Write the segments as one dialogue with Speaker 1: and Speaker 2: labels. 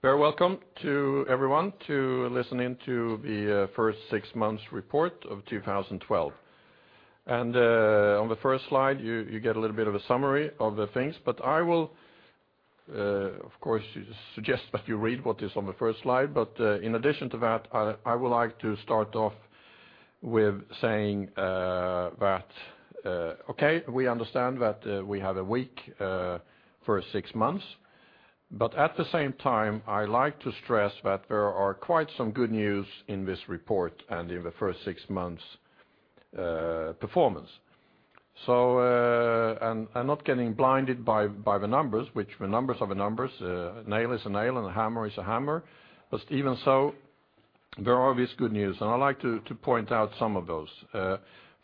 Speaker 1: Very welcome to everyone listening to the first six months report of 2012. On the first slide, you get a little bit of a summary of the things, but I will, of course, just suggest that you read what is on the first slide. In addition to that, I would like to start off with saying that, okay, we understand that we have a weak first six months. But at the same time, I like to stress that there are quite some good news in this report and in the first six months performance. Not getting blinded by the numbers, which the numbers are the numbers, a nail is a nail and a hammer is a hammer. But even so, there are obvious good news, and I'd like to point out some of those.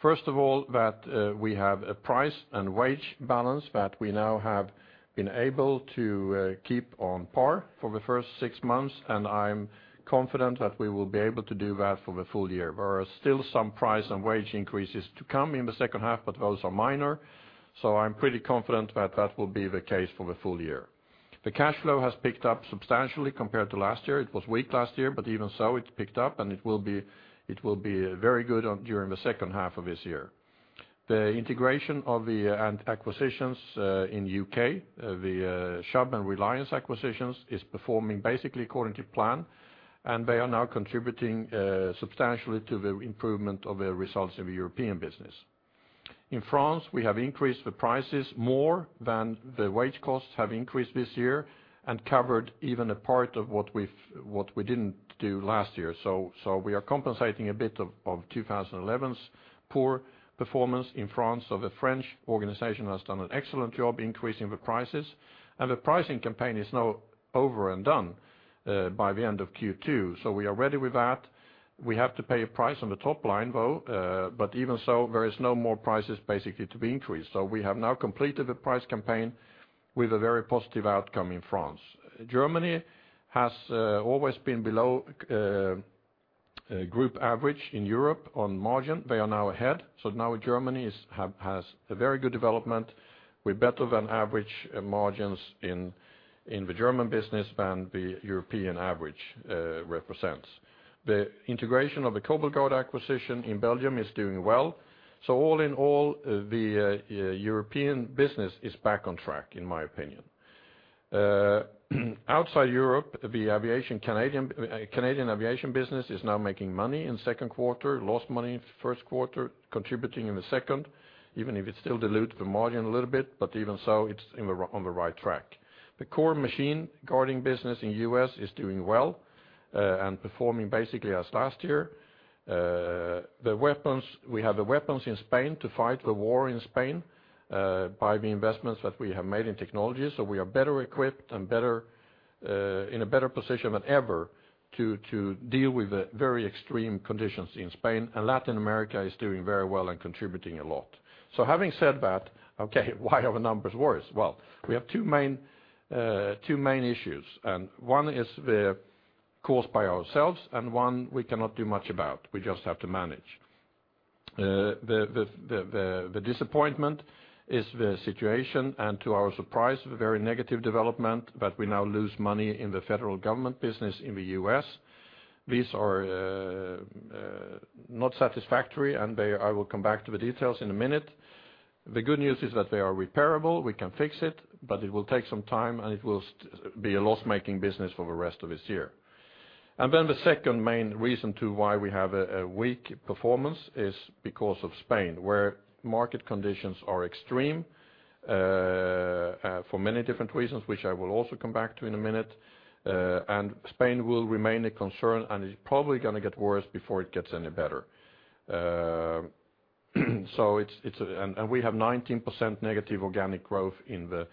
Speaker 1: First of all, that we have a price and wage balance that we now have been able to keep on par for the first six months, and I'm confident that we will be able to do that for the full year. There are still some price and wage increases to come in the second half, but those are minor. So I'm pretty confident that that will be the case for the full year. The cash flow has picked up substantially compared to last year. It was weak last year, but even so, it picked up, and it will be very good during the second half of this year. The integration of the acquisitions in the U.K., the Chubb and Reliance acquisitions, is performing basically according to plan, and they are now contributing substantially to the improvement of the results in the European business. In France, we have increased the prices more than the wage costs have increased this year and covered even a part of what we didn't do last year. So we are compensating a bit of 2011's poor performance in France of a French organization that has done an excellent job increasing the prices. And the pricing campaign is now over and done by the end of Q2, so we are ready with that. We have to pay a price on the top line, though, but even so, there is no more prices basically to be increased. So we have now completed the price campaign with a very positive outcome in France. Germany has always been below group average in Europe on margin. They are now ahead. So now Germany has a very good development with better-than-average margins in the German business than the European average represents. The integration of the Cobelguard acquisition in Belgium is doing well. So all in all, the European business is back on track, in my opinion. Outside Europe, the Canadian aviation business is now making money in second quarter, lost money in first quarter, contributing in the second, even if it still dilutes the margin a little bit. But even so, it's on the right track. The core machine guarding business in the U.S. is doing well, and performing basically as last year. The weapons we have in Spain to fight the war in Spain, by the investments that we have made in technology. So we are better equipped and better in a better position than ever to deal with the very extreme conditions in Spain. Latin America is doing very well and contributing a lot. So having said that, okay, why are the numbers worse? Well, we have two main issues, and one is caused by ourselves and one we cannot do much about. We just have to manage. The disappointment is the situation, and to our surprise, the very negative development that we now lose money in the federal government business in the U.S. These are not satisfactory, and they, I will come back to the details in a minute. The good news is that they are repairable. We can fix it, but it will take some time, and it will still be a loss-making business for the rest of this year. And then the second main reason to why we have a weak performance is because of Spain, where market conditions are extreme, for many different reasons, which I will also come back to in a minute. Spain will remain a concern, and it's probably gonna get worse before it gets any better. So it's, and we have -19% organic growth in the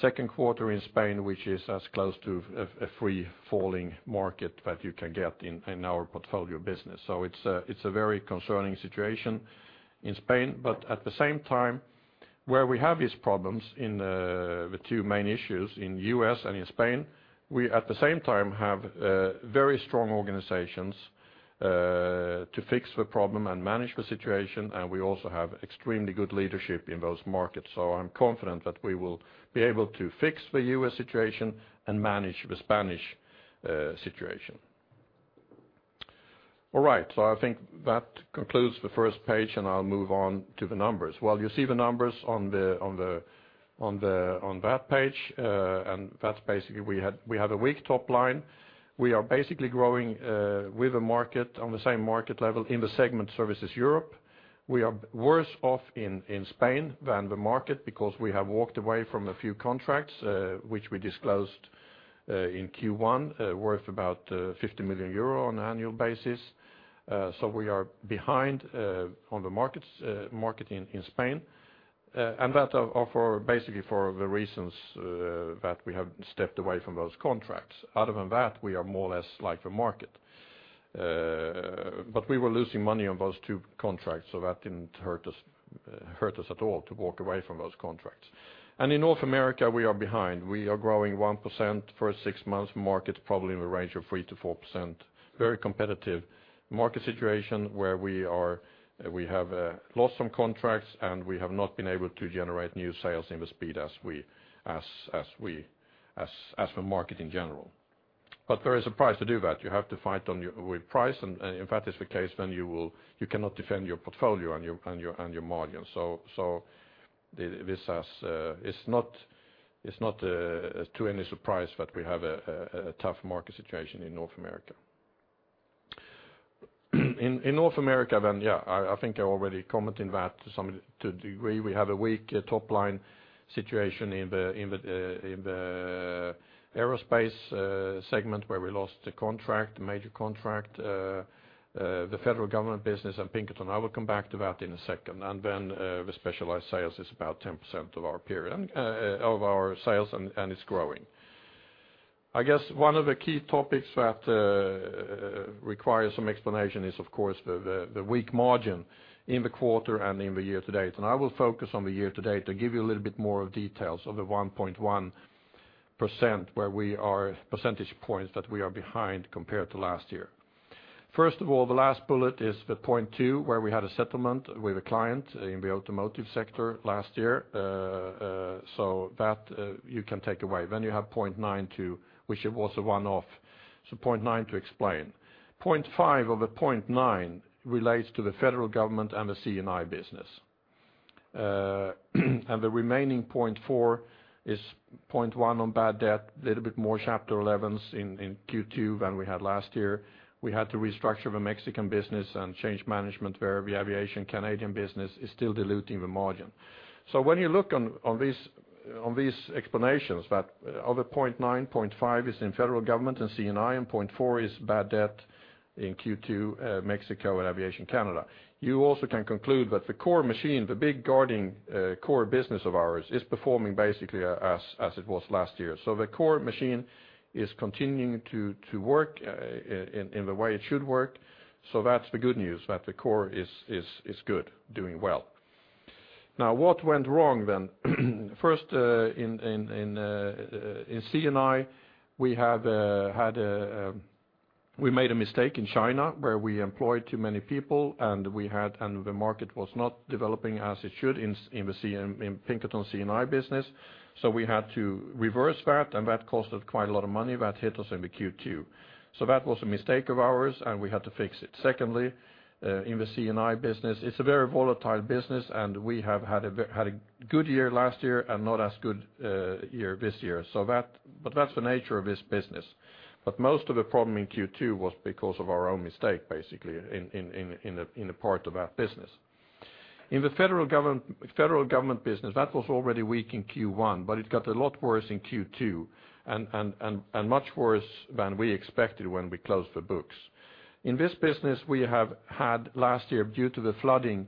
Speaker 1: second quarter in Spain, which is as close to a free-falling market that you can get in our portfolio business. So it's a very concerning situation in Spain. But at the same time, where we have these problems in the two main issues, in the U.S. and in Spain, we at the same time have very strong organizations to fix the problem and manage the situation, and we also have extremely good leadership in those markets. So I'm confident that we will be able to fix the U.S. situation and manage the Spanish situation. All right. So I think that concludes the first page, and I'll move on to the numbers. Well, you see the numbers on that page, and that's basically we have a weak top line. We are basically growing with a market on the same market level in the segment Services Europe. We are bit worse off in Spain than the market because we have walked away from a few contracts, which we disclosed in Q1, worth about 50 million euro on an annual basis. So we are behind on the market in Spain. And that's basically for the reasons that we have stepped away from those contracts. Other than that, we are more or less like the market. But we were losing money on those two contracts, so that didn't hurt us at all to walk away from those contracts. And in North America, we are behind. We are growing 1% first six months, market probably in the range of 3%-4%, very competitive market situation where we have lost some contracts, and we have not been able to generate new sales at the speed as the market in general. But there is a price to do that. You have to fight with price, and in fact, it's the case then you cannot defend your portfolio and your margin. So, this has, it's not to any surprise that we have a tough market situation in North America. In North America, then yeah, I think I already commented on that to some degree. We have a weak top line situation in the aerospace segment where we lost the contract, the major contract, the federal government business and Pinkerton. I will come back to that in a second. And then, the specialized sales is about 10% of our period and of our sales, and it's growing. I guess one of the key topics that requires some explanation is, of course, the weak margin in the quarter and in the year to date. And I will focus on the year to date to give you a little bit more of details of the 1.1% where we are percentage points that we are behind compared to last year. First of all, the last bullet is the 0.2 where we had a settlement with a client in the automotive sector last year, so that you can take away. Then you have 0.92, which it was a one-off. So 0.92 explained. 0.5 of the 0.9 relates to the federal government and the C&I business, and the remaining 0.4 is 0.1 on bad debt, a little bit more Chapter 11s in Q2 than we had last year. We had to restructure the Mexican business and change management where the aviation Canadian business is still diluting the margin. So when you look on these explanations that of the 0.9, 0.5 is in federal government and C&I, and 0.4 is bad debt in Q2, Mexico and Aviation Canada. You also can conclude that the core machine, the big guarding, core business of ours is performing basically as it was last year. So the core machine is continuing to work in the way it should work. So that's the good news that the core is good, doing well. Now, what went wrong then? First, in C&I, we had a mistake in China where we employed too many people, and the market was not developing as it should in the C&I in Pinkerton C&I business. So we had to reverse that, and that cost us quite a lot of money. That hit us in the Q2. So that was a mistake of ours, and we had to fix it. Secondly, in the C&I business, it's a very volatile business, and we have had a very good year last year and not as good a year this year. So that's the nature of this business. But most of the problem in Q2 was because of our own mistake, basically, in the part of that business. In the federal government business, that was already weak in Q1, but it got a lot worse in Q2 and much worse than we expected when we closed the books. In this business, we had last year due to the flooding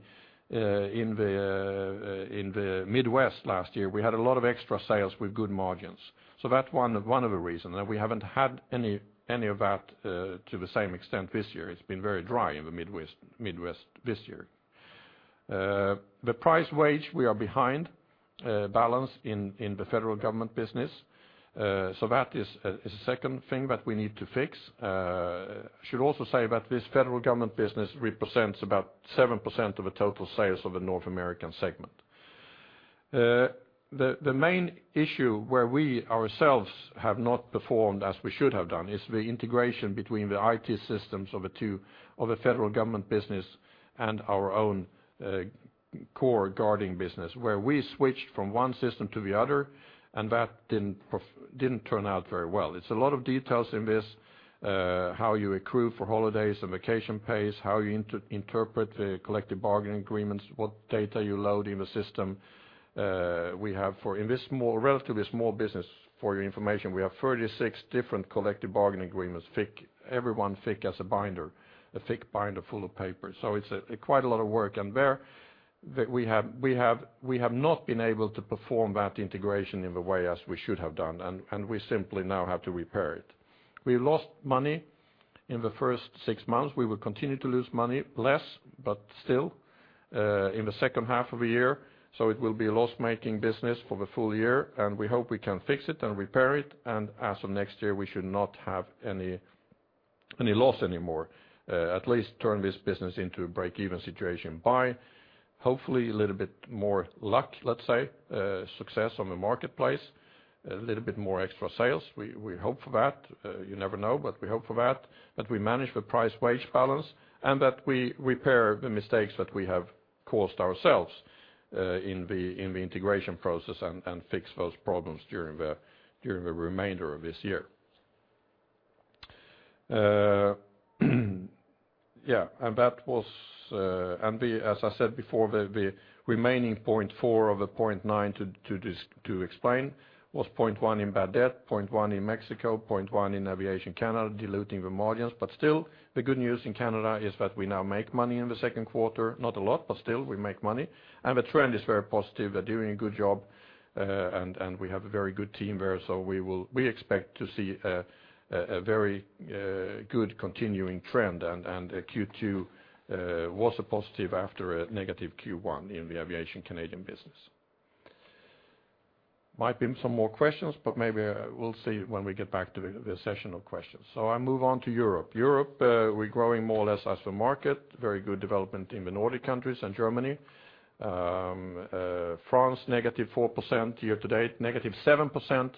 Speaker 1: in the Midwest last year a lot of extra sales with good margins. So that's one of the reasons. And we haven't had any of that to the same extent this year. It's been very dry in the Midwest this year. The price-wage balance, we are behind in the federal government business. So that is a second thing that we need to fix. I should also say that this federal government business represents about 7% of the total sales of the North American segment. The main issue where we ourselves have not performed as we should have done is the integration between the IT systems of the two of the federal government business and our own core guarding business where we switched from one system to the other, and that didn't turn out very well. It's a lot of details in this, how you accrue for holidays and vacation pays, how you interpret the collective bargaining agreements, what data you load in the system. We have, in this small, relatively small business, for your information, 36 different collective bargaining agreements, fixed every one as a binder, a fixed binder full of papers. So it's quite a lot of work. And there we have not been able to perform that integration in the way as we should have done, and we simply now have to repair it. We lost money in the first six months. We will continue to lose money, less, but still, in the second half of the year. So it will be a loss-making business for the full year, and we hope we can fix it and repair it. And as of next year, we should not have any loss anymore, at least turn this business into a break-even situation by, hopefully, a little bit more luck, let's say, success on the marketplace, a little bit more extra sales. We hope for that. You never know, but we hope for that, that we manage the price-wage balance and that we repair the mistakes that we have caused ourselves, in the integration process and fix those problems during the remainder of this year. And that was, and as I said before, the remaining 0.4 of the 0.9 to explain was 0.1 in bad debt, 0.1 in Mexico, 0.1 in Aviation Canada diluting the margins. But still, the good news in Canada is that we now make money in the second quarter, not a lot, but still, we make money. And the trend is very positive. They're doing a good job, and we have a very good team there, so we expect to see a very good continuing trend. And Q2 was a positive after a negative Q1 in the Aviation Canadian business. Might be some more questions, but we'll see when we get back to the session of questions. So I move on to Europe. Europe, we're growing more or less as the market, very good development in the Nordic countries and Germany. France, -4% year-to-date, -7%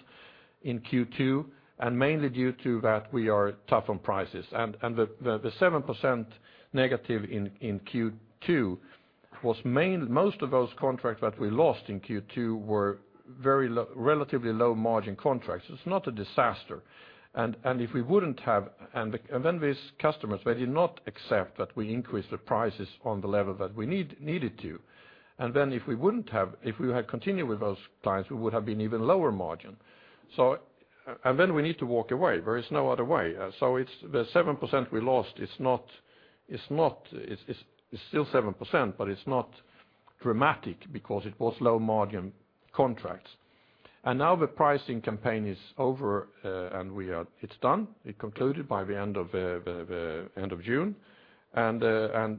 Speaker 1: in Q2, and mainly due to that we are tough on prices. And the 7% negative in Q2 was mainly, most of those contracts that we lost in Q2 were very relatively low-margin contracts. It's not a disaster. And if we wouldn't have and then these customers, they did not accept that we increased the prices on the level that we needed to. And then if we had continued with those clients, we would have been even lower margin. So then we need to walk away. There is no other way. So it's the 7% we lost, it's not, it's still 7%, but it's not dramatic because it was low-margin contracts. And now the pricing campaign is over, and it's done. It concluded by the end of June.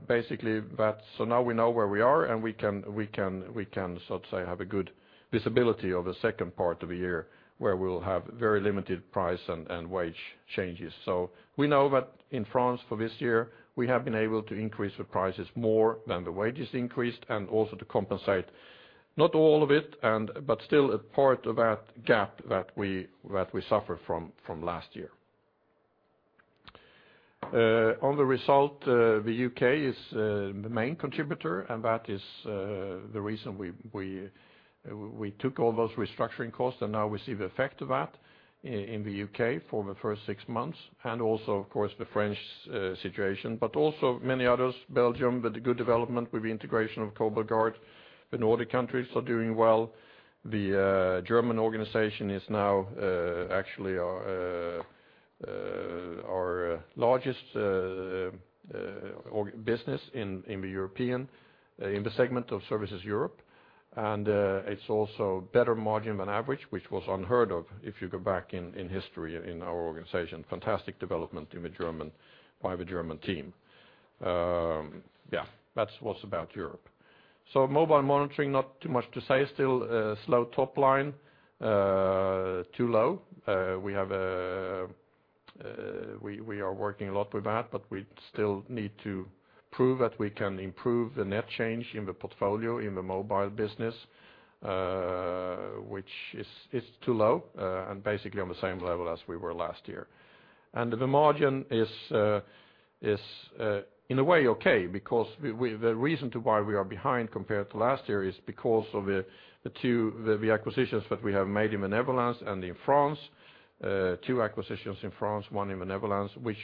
Speaker 1: Basically, that so now we know where we are, and we can, so to say, have a good visibility of the second part of the year where we'll have very limited price and wage changes. So we know that in France for this year, we have been able to increase the prices more than the wages increased and also to compensate not all of it but still a part of that gap that we suffered from last year. On the result, the U.K. is the main contributor, and that is the reason we took all those restructuring costs, and now we see the effect of that in the U.K. for the first six months and also, of course, the French situation, but also many others, Belgium, with the good development with the integration of Cobelguard. The Nordic countries are doing well. The German organization is now actually our largest org business in the European segment of Services Europe. It's also a better margin than average, which was unheard of if you go back in history in our organization. Fantastic development in Germany by the German team. Yeah. That's what's about Europe. So Mobile Monitoring, not too much to say still, slow top line, too low. We are working a lot with that, but we still need to prove that we can improve the net change in the portfolio in the mobile business, which is too low, and basically on the same level as we were last year. And the margin is, in a way, okay because the reason why we are behind compared to last year is because of the two acquisitions that we have made in the Netherlands and in France, two acquisitions in France, one in the Netherlands, which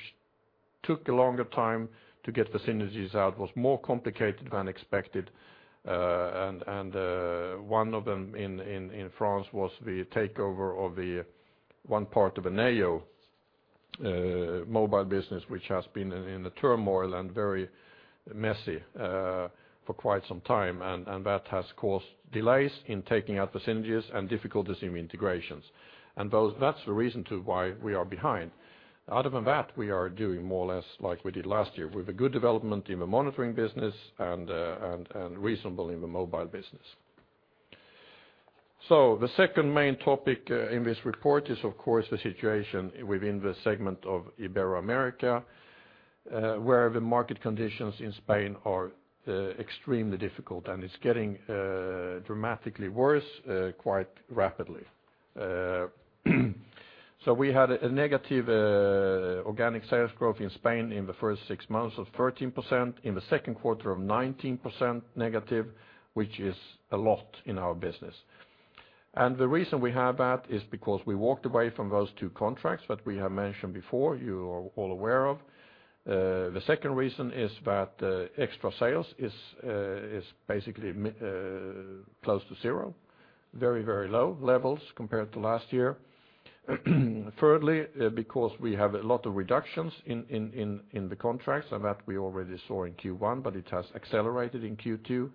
Speaker 1: took a longer time to get the synergies out, was more complicated than expected. And one of them in France was the takeover of one part of the Neo mobile business, which has been in a turmoil and very messy for quite some time. And that has caused delays in taking out the synergies and difficulties in the integrations. And that's the reason why we are behind. Other than that, we are doing more or less like we did last year with a good development in the monitoring business and reasonable in the mobile business. So the second main topic in this report is, of course, the situation within the segment of Ibero-America, where the market conditions in Spain are extremely difficult, and it's getting dramatically worse, quite rapidly. So we had a negative organic sales growth in Spain in the first six months of -13%, in the second quarter of -19%, which is a lot in our business. And the reason we have that is because we walked away from those two contracts that we have mentioned before, you are all aware of. The second reason is that extra sales is basically mighty close to zero, very, very low levels compared to last year. Thirdly, because we have a lot of reductions in the contracts, and that we already saw in Q1, but it has accelerated in Q2.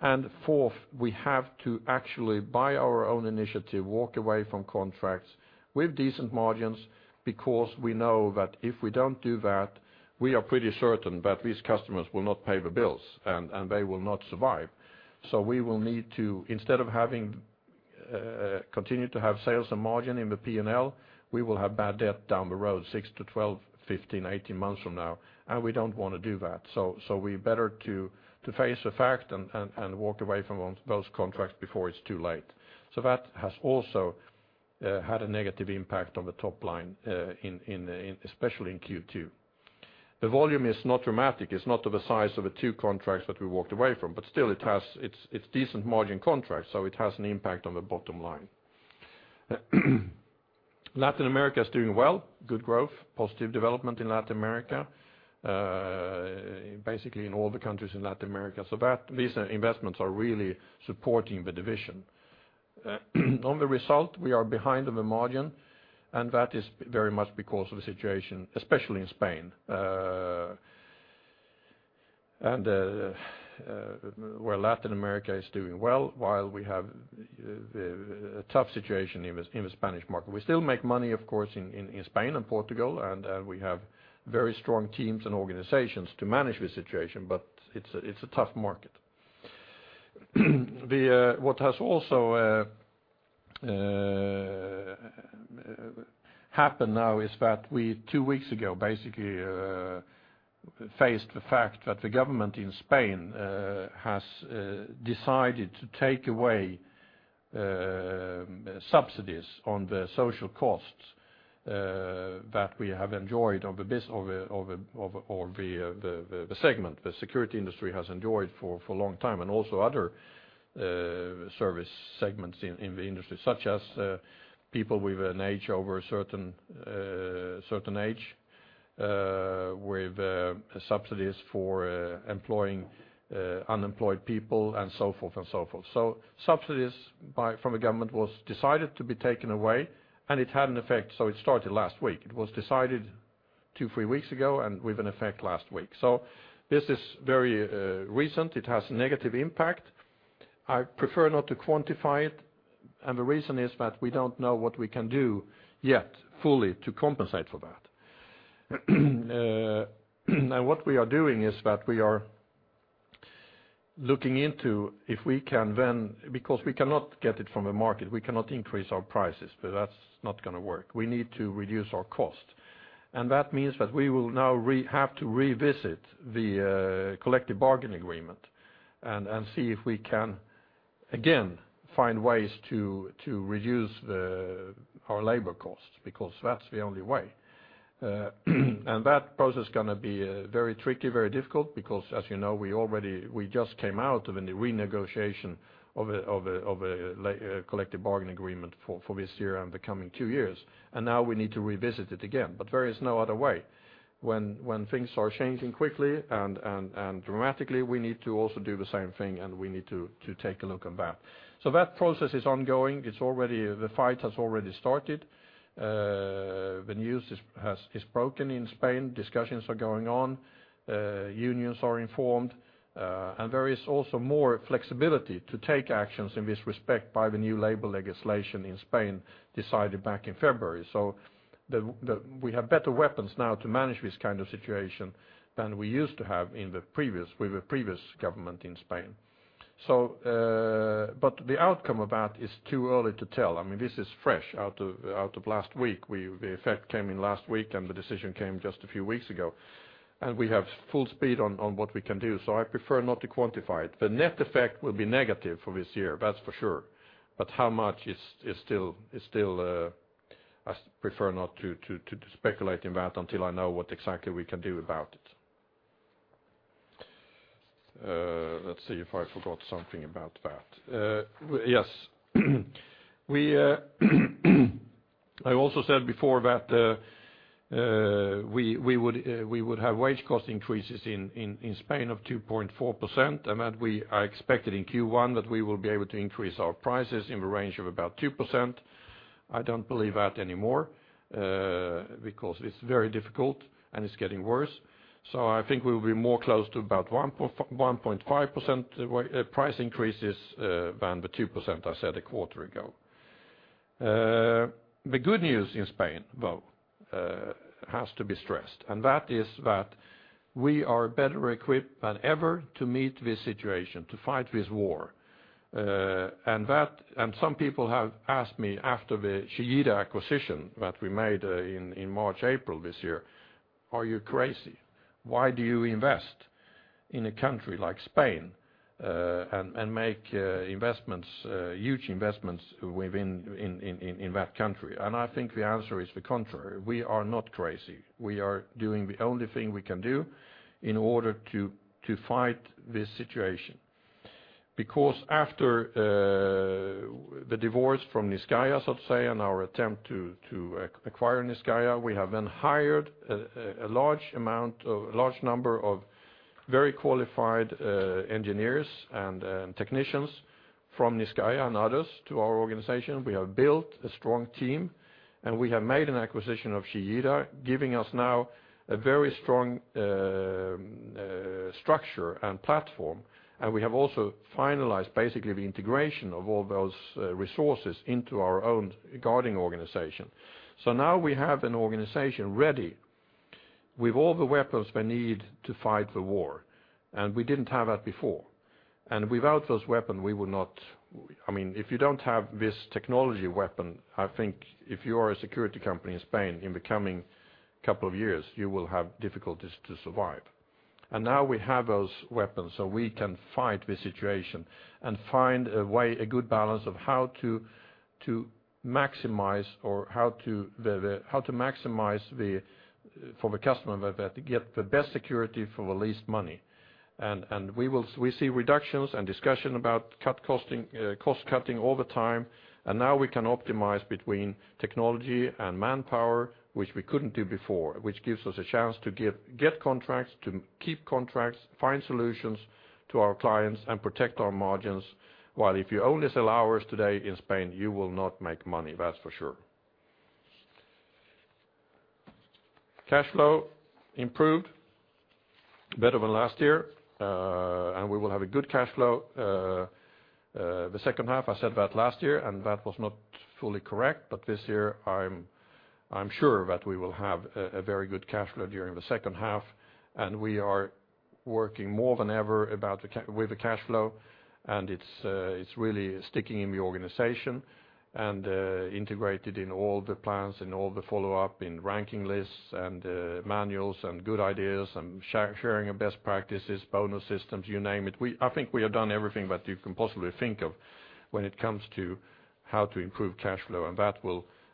Speaker 1: And fourth, we have to actually by our own initiative walk away from contracts with decent margins because we know that if we don't do that, we are pretty certain that these customers will not pay the bills, and they will not survive. So we will need to instead of having continue to have sales and margin in the P&L, we will have bad debt down the road, 6-12, 15, 18 months from now. And we don't want to do that. So we better to face the fact and walk away from those contracts before it's too late. So that has also had a negative impact on the top line, in especially in Q2. The volume is not dramatic. It's not of the size of the two contracts that we walked away from, but still, it has its decent margin contracts, so it has an impact on the bottom line. Latin America is doing well, good growth, positive development in Latin America, basically in all the countries in Latin America. So that these investments are really supporting the division. On the result, we are behind on the margin, and that is very much because of the situation, especially in Spain, and where Latin America is doing well while we have a tough situation in the Spanish market. We still make money, of course, in Spain and Portugal, and we have very strong teams and organizations to manage the situation, but it's a tough market. What has also happened now is that two weeks ago, basically, we faced the fact that the government in Spain has decided to take away subsidies on the social costs that the security industry has enjoyed for a long time, and also other service segments in the industry such as people with an age over a certain age with subsidies for employing unemployed people and so forth. So subsidies from the government was decided to be taken away, and it had an effect. So it started last week. It was decided 2-3 weeks ago and with an effect last week. So this is very recent. It has a negative impact. I prefer not to quantify it, and the reason is that we don't know what we can do yet fully to compensate for that. What we are doing is that we are looking into if we can then, because we cannot get it from the market. We cannot increase our prices, but that's not going to work. We need to reduce our cost. And that means that we will now have to revisit the collective bargaining agreement and see if we can again find ways to reduce our labor costs because that's the only way. And that process is going to be very tricky, very difficult because, as you know, we already just came out of the renegotiation of a collective bargaining agreement for this year and the coming two years, and now we need to revisit it again. But there is no other way. When things are changing quickly and dramatically, we need to also do the same thing, and we need to take a look at that. So that process is ongoing. It's already started. The fight has already started. The news has broken in Spain. Discussions are going on. Unions are informed. And there is also more flexibility to take actions in this respect by the new labor legislation in Spain decided back in February. So we have better weapons now to manage this kind of situation than we used to have with the previous government in Spain. So, but the outcome of that is too early to tell. I mean, this is fresh out of last week. The effect came in last week, and the decision came just a few weeks ago. And we have full speed on what we can do, so I prefer not to quantify it. The net effect will be negative for this year, that's for sure. But how much is still, I prefer not to speculate in that until I know what exactly we can do about it. Let's see if I forgot something about that. Well, yes. I also said before that we would have wage cost increases in Spain of 2.4% and that I expected in Q1 that we will be able to increase our prices in the range of about 2%. I don't believe that anymore, because it's very difficult, and it's getting worse. So I think we will be more close to about 1.5% wage-price increases, than the 2% I said a quarter ago. The good news in Spain, though, has to be stressed, and that is that we are better equipped than ever to meet this situation, to fight this war. And that some people have asked me after the Chillida acquisition that we made, in March, April this year, "Are you crazy? Why do you invest in a country like Spain, and make huge investments within that country?" I think the answer is the contrary. We are not crazy. We are doing the only thing we can do in order to fight this situation. Because after the divorce from Niscayah, so to say, and our attempt to acquire Niscayah, we have then hired a large amount of a large number of very qualified engineers and technicians from Niscayah and others to our organization. We have built a strong team, and we have made an acquisition of Chillida, giving us now a very strong structure and platform. We have also finalized basically the integration of all those resources into our own guarding organization. So now we have an organization ready with all the weapons we need to fight the war, and we didn't have that before. Without those weapons, we would not. I mean, if you don't have this technology weapon, I think if you are a security company in Spain, in the coming couple of years, you will have difficulties to survive. Now we have those weapons, so we can fight this situation and find a way, a good balance of how to maximize for the customer that gets the best security for the least money. We see reductions and discussion about cost-cutting all the time, and now we can optimize between technology and manpower, which we couldn't do before, which gives us a chance to get contracts, to keep contracts, find solutions to our clients, and protect our margins. Well, if you only sell hours today in Spain, you will not make money, that's for sure. Cash flow improved, better than last year, and we will have a good cash flow in the second half. I said that last year, and that was not fully correct, but this year, I'm sure that we will have a very good cash flow during the second half. We are working more than ever about the cash with the cash flow, and it's really sticking in the organization and integrated in all the plans, in all the follow-up, in ranking lists and manuals and good ideas and sharing of best practices, bonus systems, you name it. We, I think we have done everything that you can possibly think of when it comes to how to improve cash flow, and that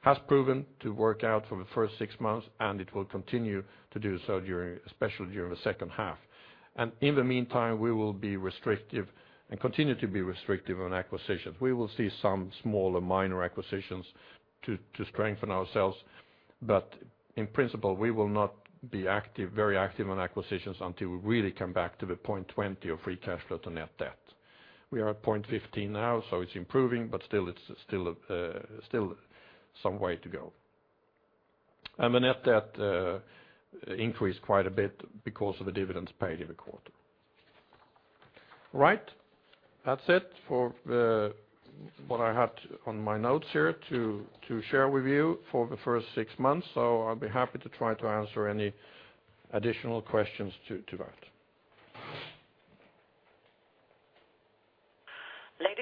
Speaker 1: will has proven to work out for the first six months, and it will continue to do so during especially during the second half. And in the meantime, we will be restrictive and continue to be restrictive on acquisitions. We will see some smaller, minor acquisitions to strengthen ourselves, but in principle, we will not be very active on acquisitions until we really come back to the 0.20 of free cash flow to net debt. We are at 0.15 now, so it's improving, but still, it's still some way to go. And the net debt increased quite a bit because of the dividends paid every quarter. All right. That's it for what I had on my notes here to share with you for the first six months, so I'll be happy to try to answer any additional questions to that.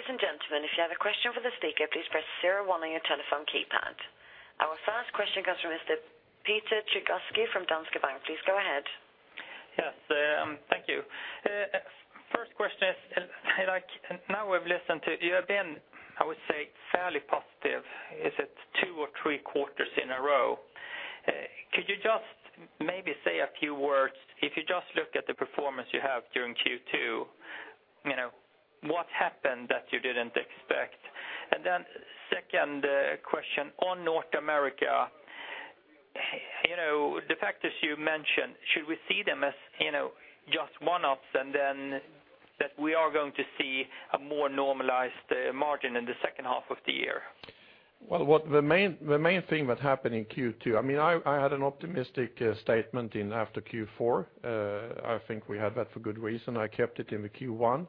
Speaker 2: Ladies and gentlemen, if you have a question for the speaker, please press zero, one on your telephone keypad. Our first question comes from Mr. Peter Trigarszky from Danske Bank. Please go ahead. Yes. Thank you.
Speaker 3: First question is, I'd like—now we've listened to you, you have been, I would say, fairly positive, is it, two or three quarters in a row. Could you just maybe say a few words if you just look at the performance you have during Q2, you know, what happened that you didn't expect? And then second question, on North America, you know, the factors you mentioned, should we see them as, you know, just one-offs and then that we are going to see a more normalized margin in the second half of the year?
Speaker 1: Well, the main thing that happened in Q2, I mean, I had an optimistic statement after Q4. I think we had that for good reason. I kept it in Q1.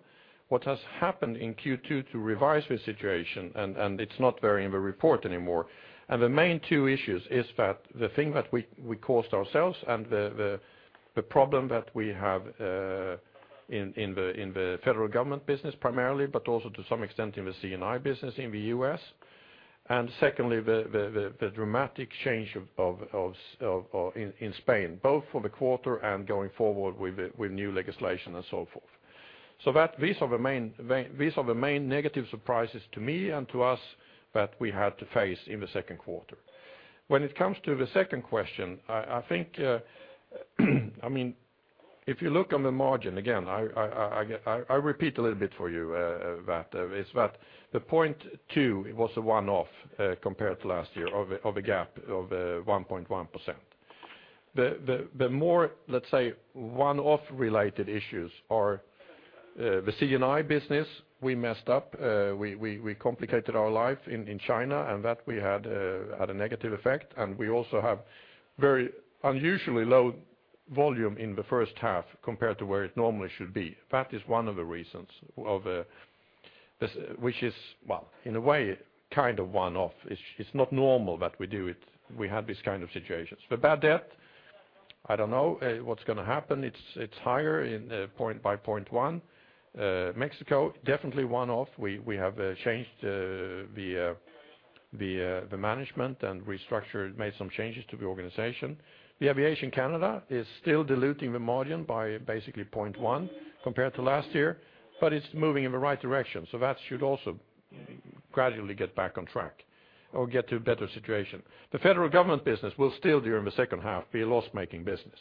Speaker 1: What has happened in Q2 to revise this situation, and it's not very in the report anymore. The main two issues is that the thing that we caused ourselves and the problem that we have, in the federal government business primarily, but also to some extent in the C&I business in the U.S. And secondly, the dramatic change of in Spain, both for the quarter and going forward with new legislation and so forth. So that these are the main negative surprises to me and to us that we had to face in the second quarter. When it comes to the second question, I think, I mean, if you look on the margin again, I repeat a little bit for you, that. It's that the 0.2, it was a one-off, compared to last year of a gap of 1.1%. The more, let's say, one-off-related issues are the C&I business. We messed up. We complicated our life in China, and that had a negative effect. And we also have very unusually low volume in the first half compared to where it normally should be. That is one of the reasons of the s which is, well, in a way, kind of one-off. It's not normal that we do it. We had these kind of situations. The bad debt, I don't know, what's going to happen. It's higher by 0.1 point. Mexico, definitely one-off. We have changed the management and restructured, made some changes to the organization. The Aviation Canada is still diluting the margin by, basically, 0.1 compared to last year, but it's moving in the right direction, so that should also gradually get back on track or get to a better situation. The federal government business will still, during the second half, be a loss-making business,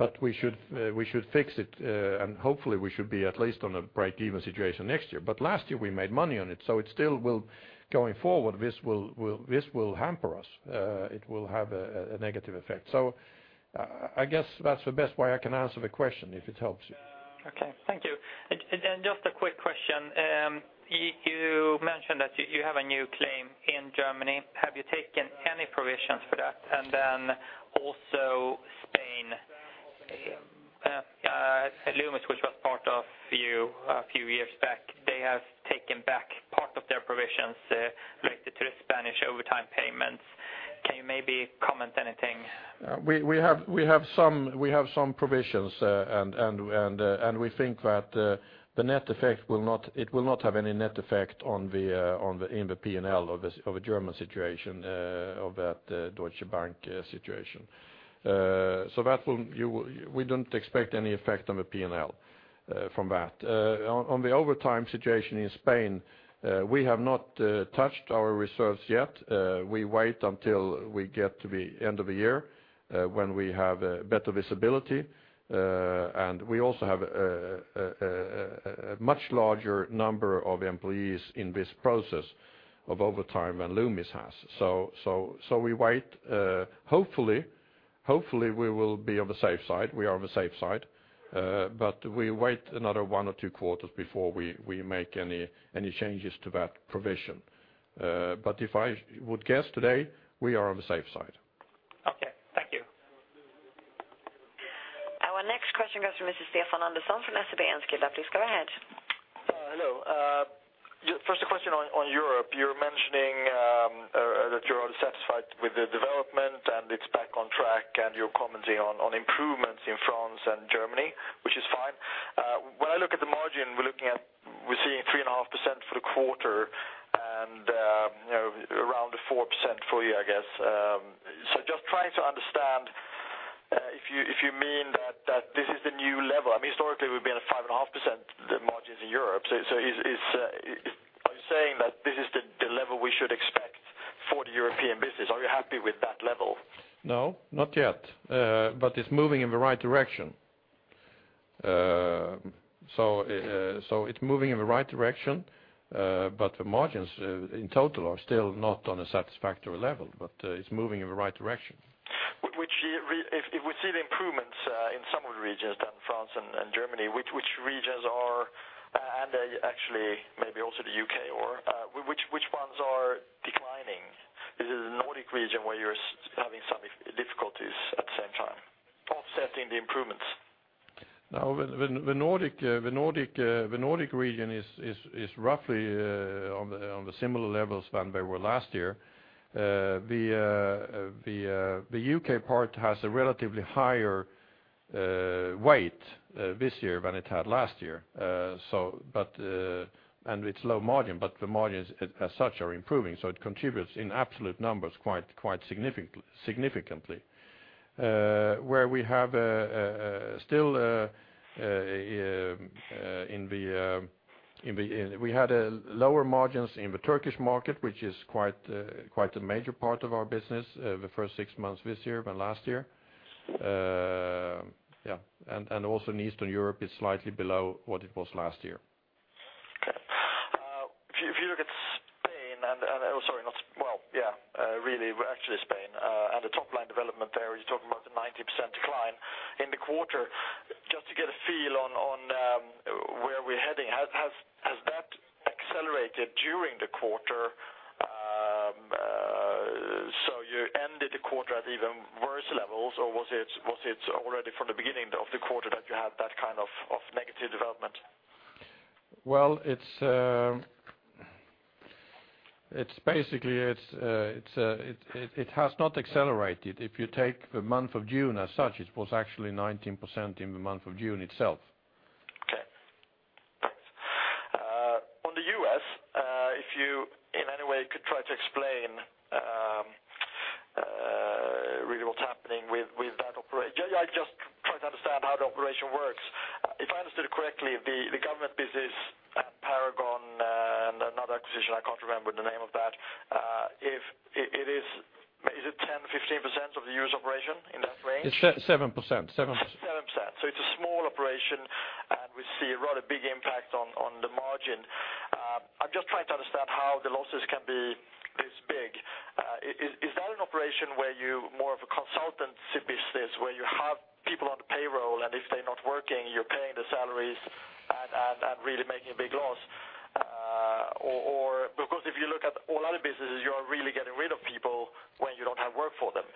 Speaker 1: but we should, we should fix it, and hopefully, we should be at least on a break-even situation next year. But last year, we made money on it, so it still will going forward, this will hamper us. It will have a negative effect. So, I guess that's the best way I can answer the question, if it helps you.
Speaker 3: Okay. Thank you. And just a quick question. You mentioned that you have a new claim in Germany. Have you taken any provisions for that? And then also Spain, Loomis, which was part of you a few years back, they have taken back part of their provisions, related to the Spanish overtime payments. Can you maybe comment anything?
Speaker 1: We have some provisions, and we think that the net effect will not have any net effect on the P&L of the German situation, of that Deutsche Bank situation. So we don't expect any effect on the P&L from that. On the overtime situation in Spain, we have not touched our reserves yet. We wait until we get to the end of the year, when we have better visibility. And we also have a much larger number of employees in this process of overtime than Loomis has. So we wait. Hopefully, hopefully, we will be on the safe side. We are on the safe side, but we wait another one or two quarters before we make any changes to that provision. But if I would guess today, we are on the safe side.
Speaker 3: Okay. Thank you.
Speaker 2: Our next question goes from Mr. Stefan Andersson from SEB Enskilda. Please go ahead.
Speaker 4: Hello. Just first a question on Europe. You're mentioning that you're unsatisfied with the development, and it's back on track, and you're commenting on improvements in France and Germany, which is fine. When I look at the margin, we're seeing 3.5% for the quarter and, you know, around 4% for you, I guess. So just trying to understand if you mean that this is the new level. I mean, historically, we've been at 5.5% margins in Europe. So, are you saying that this is the level we should expect for the European business? Are you happy with that level? No, not yet, but it's moving in the right direction. So, it's moving in the right direction, but the margins, in total, are still not on a satisfactory level, but it's moving in the right direction. Which, if we see the improvements in some of the regions in France and Germany, which regions are, actually, maybe also the U.K. or which ones are declining? Is it the Nordic region where you're having some difficulties at the same time offsetting the improvements?
Speaker 1: No, the Nordic region is roughly on the similar levels than they were last year. The U.K. part has a relatively higher weight this year than it had last year, so but it's low margin, but the margins as such are improving, so it contributes in absolute numbers quite significantly. Where we still had lower margins in the Turkish market, which is quite a major part of our business, the first six months this year than last year. Yeah. And also in Eastern Europe, it's slightly below what it was last year.
Speaker 4: Okay. If you look at Spain and, oh, sorry, not well, yeah, really, actually, Spain and the top-line development there, you're talking about a 90% decline in the quarter. Just to get a feel on where we're heading, has that accelerated during the quarter? So you ended the quarter at even worse levels, or was it already from the beginning of the quarter that you had that kind of negative development?
Speaker 1: Well, it's basically it has not accelerated. If you take the month of June as such, it was actually 19% in the month of June itself.
Speaker 4: Okay. Thanks. On the U.S., if you in any way could try to explain really what's happening with that operation. Yeah, yeah, I'd just try to understand how the operation works. If I understood it correctly, the government business and Paragon and another acquisition I can't remember the name of, if it is 10%-15% of the U.S. operation in that range?
Speaker 1: It's 7%.
Speaker 4: 7% so it's a small operation, and we see a rather big impact on the margin. I'm just trying to understand how the losses can be this big. Is that an operation where you more of a consultancy business where you have people on the payroll, and if they're not working, you're paying the salaries and really making a big loss? Or because if you look at all other businesses, you are really getting rid of people when you don't have work for them.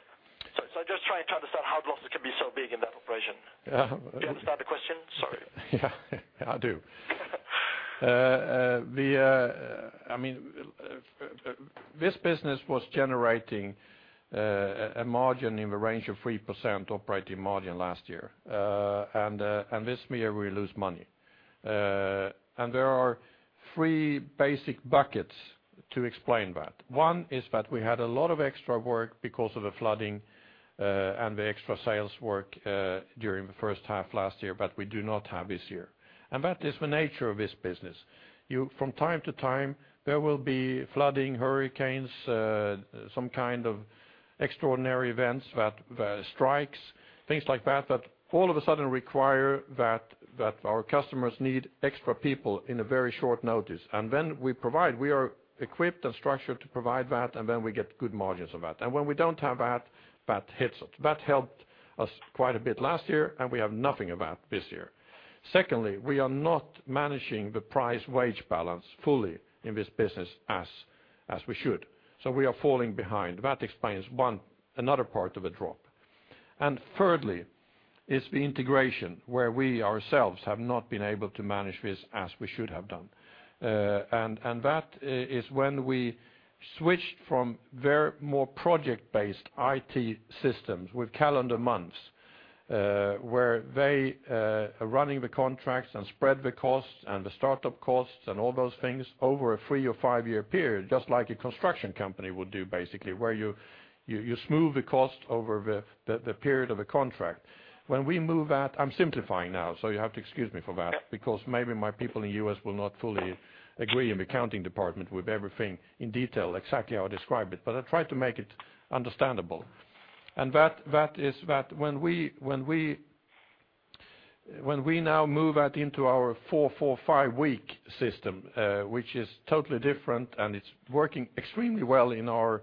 Speaker 4: So I'm just trying to understand how the losses can be so big in that operation. Do you understand the question? Sorry.
Speaker 1: Yeah. Yeah, I do. I mean, this business was generating a margin in the range of 3% operating margin last year, and this year, we lose money. And there are three basic buckets to explain that. One is that we had a lot of extra work because of the flooding, and the extra sales work, during the first half last year, but we do not have this year. And that is the nature of this business. From time to time, there will be flooding, hurricanes, some kind of extraordinary events that strikes, things like that that all of a sudden require that our customers need extra people in a very short notice. And then we provide; we are equipped and structured to provide that, and then we get good margins of that. And when we don't have that, that hits us. That helped us quite a bit last year, and we have nothing of that this year. Secondly, we are not managing the price-wage balance fully in this business as we should, so we are falling behind. That explains one another part of the drop. And thirdly, it's the integration where we ourselves have not been able to manage this as we should have done. And that is when we switched from very more project-based IT systems with calendar months, where they are running the contracts and spread the costs and the startup costs and all those things over a three or five-year period, just like a construction company would do, basically, where you smooth the cost over the period of a contract. When we move that, I'm simplifying now, so you have to excuse me for that because maybe my people in the U.S. will not fully agree in the accounting department with everything in detail, exactly how I described it, but I try to make it understandable. That is, when we now move that into our 445-week system, which is totally different and it's working extremely well in our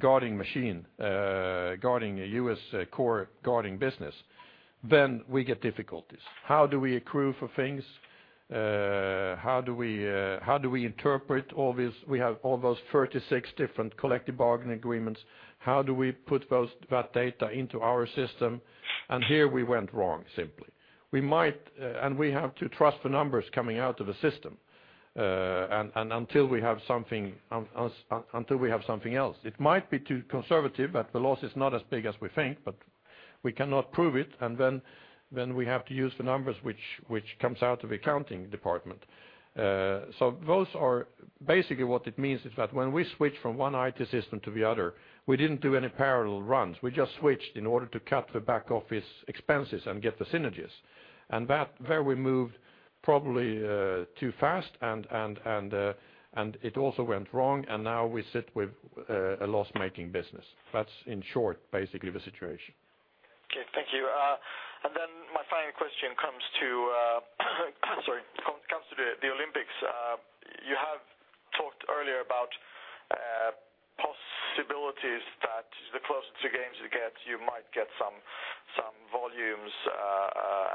Speaker 1: guarding machine, guarding a U.S. core guarding business, then we get difficulties. How do we accrue for things? How do we interpret all this? We have all those 36 different collective bargaining agreements. How do we put that data into our system? And here, we went wrong, simply. We might, and we have to trust the numbers coming out of the system, and until we have something else. It might be too conservative that the loss is not as big as we think, but we cannot prove it, and then we have to use the numbers, which comes out of the accounting department. So those are basically, what it means is that when we switched from one IT system to the other, we didn't do any parallel runs. We just switched in order to cut the back-office expenses and get the synergies. And that there, we moved probably, too fast, and, and, and, and it also went wrong, and now we sit with, a loss-making business. That's, in short, basically, the situation.
Speaker 4: Okay. Thank you. And then my final question comes to, sorry, comes to the, the Olympics. You have talked earlier about, possibilities that the closer to games you get, you might get some, some volumes,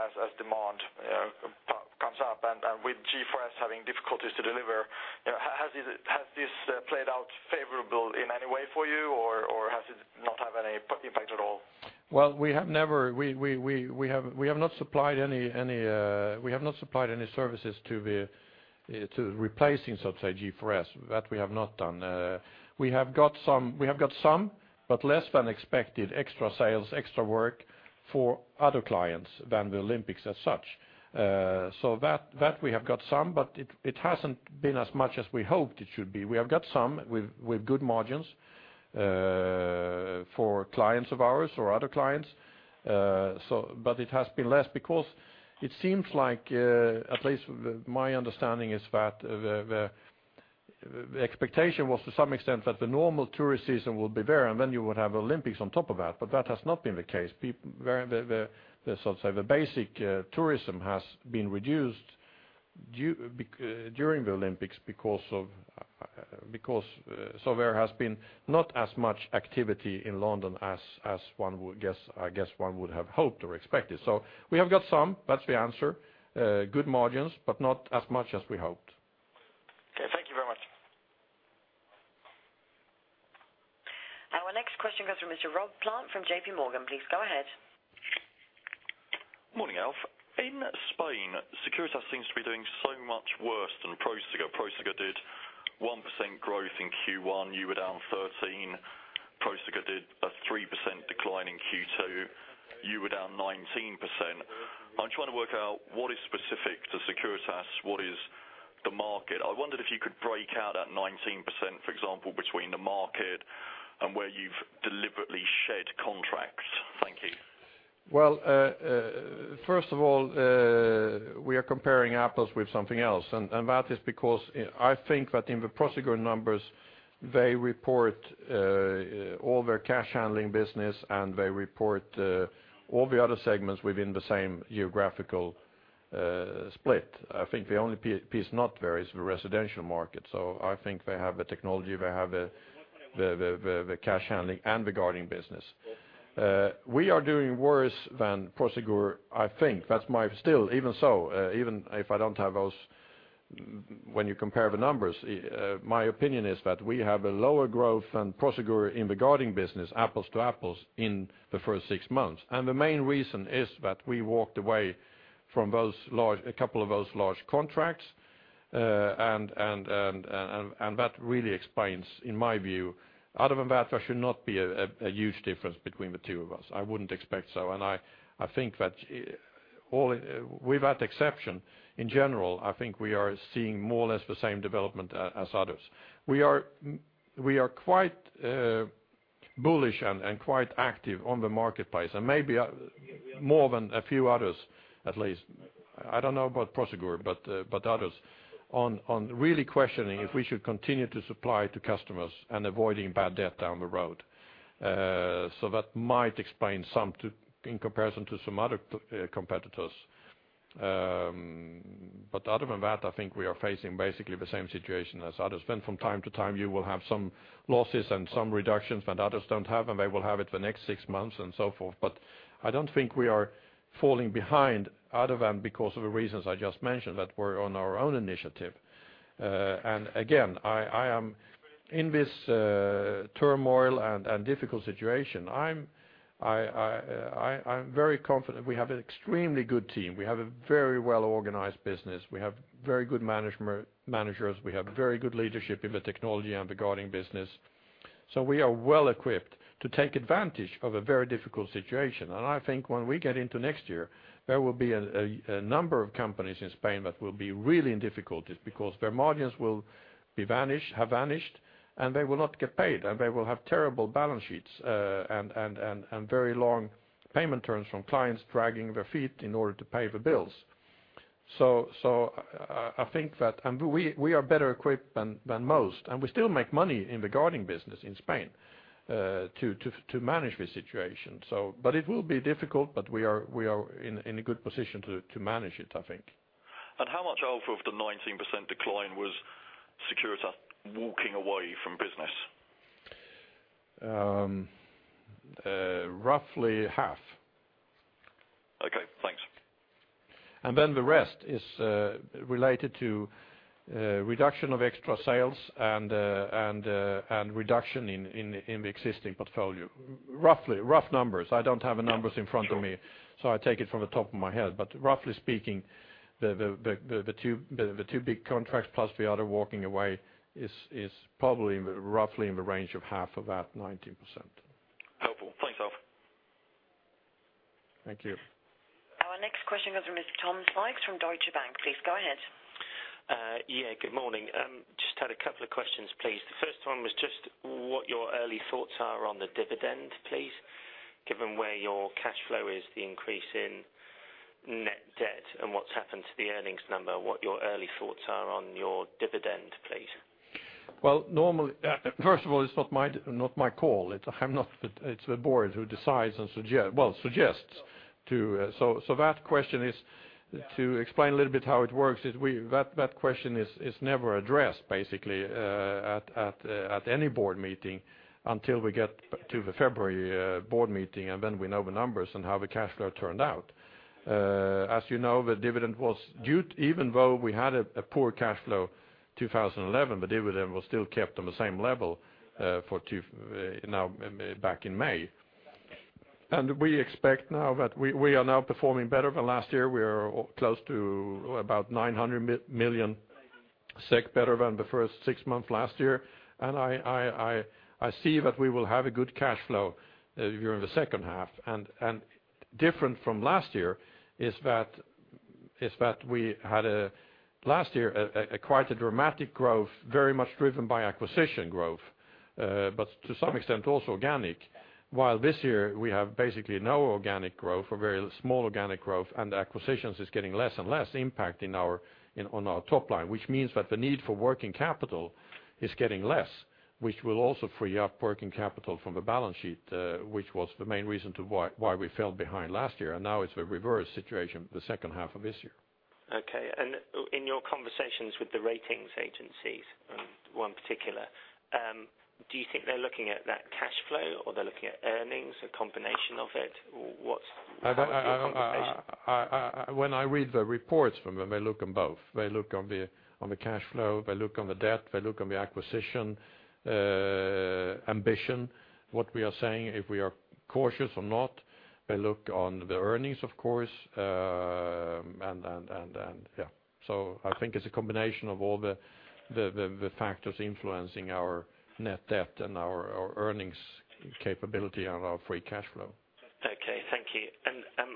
Speaker 4: as, as demand, you know, comes up, and, and with G4S having difficulties to deliver. You know, ha-has it has this, played out favorable in any way for you, or, or has it not have any impact at all?
Speaker 1: Well, we have never... we have not supplied any services to replacing, so to say, G4S. That we have not done. We have got some, but less than expected, extra sales, extra work for other clients than the Olympics as such. So, that we have got some, but it hasn't been as much as we hoped it should be. We have got some with good margins, for clients of ours or other clients, so but it has been less because it seems like, at least, my understanding is that the expectation was, to some extent, that the normal tourist season will be there, and then you would have Olympics on top of that, but that has not been the case. People very much, so to say, the basic tourism has been reduced due because during the Olympics because, so there has been not as much activity in London as one would guess, one would have hoped or expected. So we have got some. That's the answer. Good margins, but not as much as we hoped.
Speaker 4: Okay. Thank you very much.
Speaker 2: Our next question goes from Mr. Rob Plant from JPMorgan. Please go ahead.
Speaker 5: Morning, Alf. In Spain, Securitas seems to be doing so much worse than Prosegur. Prosegur did 1% growth in Q1. You were down 13%. Prosegur did a 3% decline in Q2. You were down 19%. I'm trying to work out what is specific to Securitas. What is the market? I wondered if you could break out that 19%, for example, between the market and where you've deliberately shed contracts. Thank you.
Speaker 1: Well, first of all, we are comparing apples with something else, and that is because, I think that in the Prosegur numbers, they report all their cash handling business, and they report all the other segments within the same geographical split. I think the only piece not there is the residential market, so I think they have the technology. They have the cash handling and the guarding business. We are doing worse than Prosegur, I think. That's my still even so, even if I don't have those when you compare the numbers, my opinion is that we have a lower growth than Prosegur in the guarding business, apples to apples, in the first six months. The main reason is that we walked away from those large, a couple of those large contracts, and that really explains, in my view, other than that, there should not be a huge difference between the two of us. I wouldn't expect so, and I think that, all in with that exception, in general, I think we are seeing more or less the same development as others. We are quite bullish and quite active on the marketplace, and maybe more than a few others, at least. I don't know about Prosegur, but others are really questioning if we should continue to supply to customers and avoiding bad debt down the road, so that might explain some, too, in comparison to some other competitors. But other than that, I think we are facing, basically, the same situation as others. Then from time to time, you will have some losses and some reductions that others don't have, and they will have it the next six months and so forth, but I don't think we are falling behind other than because of the reasons I just mentioned that were on our own initiative. And again, I am in this turmoil and difficult situation. I'm very confident we have an extremely good team. We have a very well-organized business. We have very good management managers. We have very good leadership in the technology and the guarding business, so we are well-equipped to take advantage of a very difficult situation. I think when we get into next year, there will be a number of companies in Spain that will be really in difficulties because their margins will have vanished, and they will not get paid, and they will have terrible balance sheets, and very long payment terms from clients dragging their feet in order to pay the bills. So I think that and we are better equipped than most, and we still make money in the guarding business in Spain to manage this situation, so but it will be difficult, but we are in a good position to manage it, I think.
Speaker 5: And how much, Alf, of the 19% decline was Securitas walking away from business?
Speaker 1: Roughly half.
Speaker 5: Okay. Thanks.
Speaker 1: And then the rest is related to reduction of extra sales and reduction in the existing portfolio. Rough numbers. I don't have the numbers in front of me, so I take it from the top of my head, but roughly speaking, the two big contracts plus the other walking away is probably in the range of half of that 19%.
Speaker 5: Helpful. Thanks, Alf.
Speaker 1: Thank you.
Speaker 2: Our next question goes from Mr. Tom Sykes from Deutsche Bank. Please go ahead.
Speaker 6: Yeah. Good morning. Just had a couple of questions, please. The first one was just what your early thoughts are on the dividend, please, given where your cash flow is, the increase in net debt, and what's happened to the earnings number. What your early thoughts are on your dividend, please.
Speaker 1: Well, normally first of all, it's not my call. It's not the... it's the board who decides and suggests, so that question is to explain a little bit how it works. That question is never addressed, basically, at any board meeting until we get to the February board meeting, and then we know the numbers and how the cash flow turned out. As you know, the dividend was due even though we had a poor cash flow in 2011; the dividend was still kept on the same level for two now, back in May. And we expect now that we are now performing better than last year. We are close to about 900 million SEK better than the first six months last year, and I see that we will have a good cash flow during the second half. And different from last year is that we had last year quite a dramatic growth, very much driven by acquisition growth, but to some extent also organic, while this year we have basically no organic growth or very small organic growth, and the acquisitions is getting less and less impact in on our top line, which means that the need for working capital is getting less, which will also free up working capital from the balance sheet, which was the main reason to why we fell behind last year, and now it's the reverse situation the second half of this year.
Speaker 6: Okay. In your conversations with the ratings agencies and one particular, do you think they're looking at that cash flow, or they're looking at earnings, a combination of it? What's their conversation?
Speaker 1: When I read the reports from them, they look on both. They look on the cash flow. They look on the debt. They look on the acquisition ambition, what we are saying, if we are cautious or not. They look on the earnings, of course, and yeah. So I think it's a combination of all the factors influencing our net debt and our earnings capability and our free cash flow.
Speaker 6: Okay. Thank you.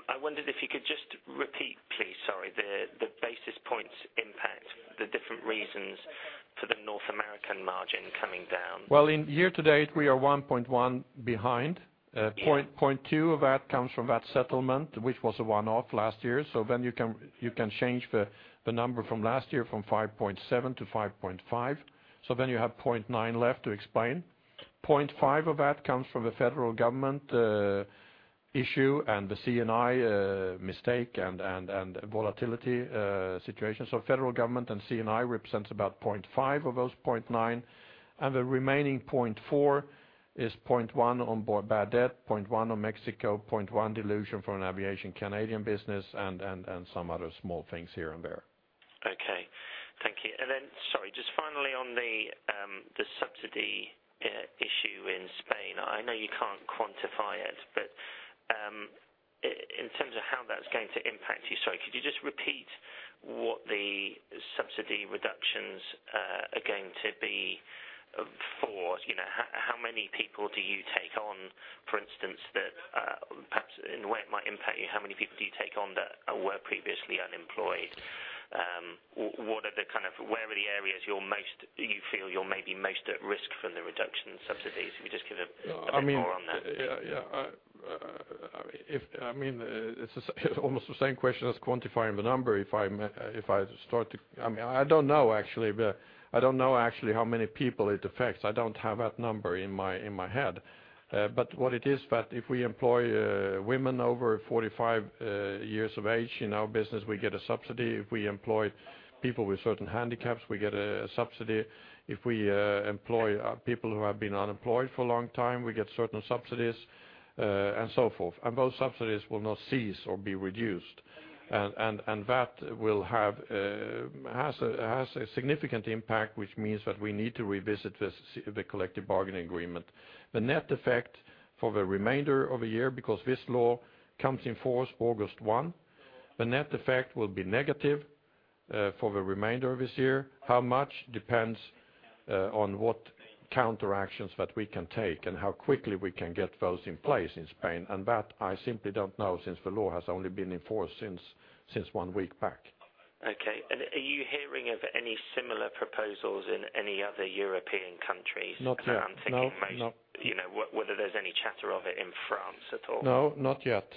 Speaker 6: I wondered if you could just repeat, please sorry, the basis points impact, the different reasons for the North American margin coming down.
Speaker 1: Well, in year to date, we are 1.1 behind. 0.2 of that comes from that settlement, which was a one-off last year, so then you can change the number from last year from 5.7 to 5.5, so then you have 0.9 left to explain. 0.5 of that comes from the federal government issue and the C&I mistake and volatility situation, so federal government and C&I represents about 0.5 of those 0.9, and the remaining 0.4 is 0.1 on bad debt, 0.1 on Mexico, 0.1 dilution from a Canadian aviation business, and some other small things here and there.
Speaker 6: Okay. Thank you. Sorry, just finally, on the subsidy issue in Spain, I know you can't quantify it, but in terms of how that's going to impact you. Sorry, could you just repeat what the subsidy reductions are going to be for? You know, how many people do you take on, for instance, that perhaps in where it might impact you, how many people do you take on that were previously unemployed? What are the kind of where are the areas you're most you feel you're maybe most at risk from the reduction subsidies? If you just give a bit more on that.
Speaker 1: I mean, yeah, yeah. I mean, it's almost the same question as quantifying the number. If I start to, I mean, I don't know, actually. I don't know, actually, how many people it affects. I don't have that number in my head, but what it is, that if we employ women over 45 years of age in our business, we get a subsidy. If we employ people with certain handicaps, we get a subsidy. If we employ people who have been unemployed for a long time, we get certain subsidies, and so forth, and those subsidies will not cease or be reduced. And that will have a significant impact, which means that we need to revisit the collective bargaining agreement. The net effect for the remainder of a year because this law comes in force August 1, the net effect will be negative, for the remainder of this year. How much depends on what counteractions that we can take and how quickly we can get those in place in Spain, and that I simply don't know since the law has only been in force since one week back.
Speaker 6: Okay. And are you hearing of any similar proposals in any other European countries?
Speaker 1: Not yet.
Speaker 6: I'm thinking most. You know, whether there's any chatter of it in France at all.
Speaker 1: No, not yet.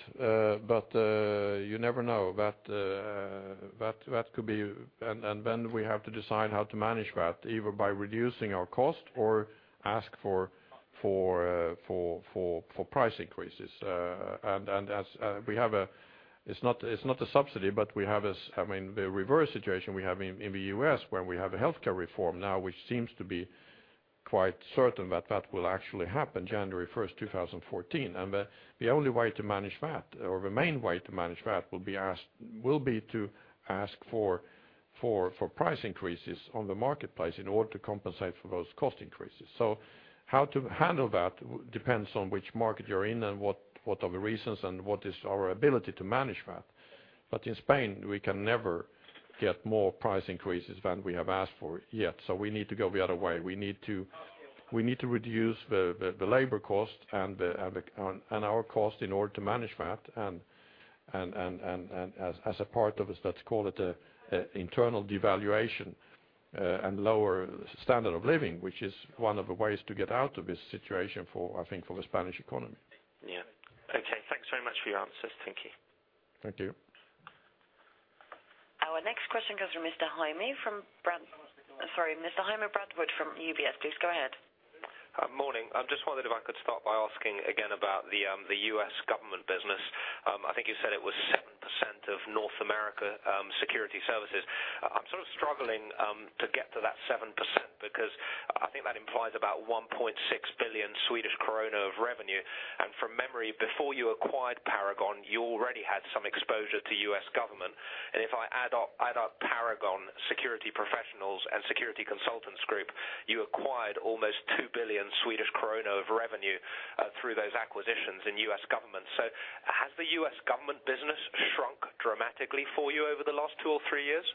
Speaker 1: But you never know. That could be and then we have to decide how to manage that, either by reducing our cost or ask for price increases. As we have, it's not a subsidy, but we have—I mean, the reverse situation we have in the U.S. where we have a healthcare reform now, which seems to be quite certain that will actually happen January 1st, 2014, and the only way to manage that or the main way to manage that will be to ask for price increases on the marketplace in order to compensate for those cost increases. So how to handle that depends on which market you're in and what are the reasons and what is our ability to manage that, but in Spain, we can never get more price increases than we have asked for yet, so we need to go the other way. We need to reduce the labor cost and our cost in order to manage that, and as a part of, let's call it, an internal devaluation and lower standard of living, which is one of the ways to get out of this situation for, I think, the Spanish economy.
Speaker 6: Yeah. Okay. Thanks very much for your answers. Thank you.
Speaker 1: Thank you.
Speaker 2: Our next question goes from Mr. Jamie Brandwood from UBS. Please go ahead.
Speaker 7: Morning. I just wondered if I could start by asking again about the U.S. government business. I think you said it was 7% of North America Security Services. I'm sort of struggling to get to that 7% because I think that implies about 1.6 billion Swedish krona of revenue, and from memory, before you acquired Paragon, you already had some exposure to U.S. government, and if I add up Paragon security professionals and Security Consultants Group, you acquired almost 2 billion Swedish krona of revenue, through those acquisitions in U.S. government, so has the U.S. government business shrunk dramatically for you over the last two or three years?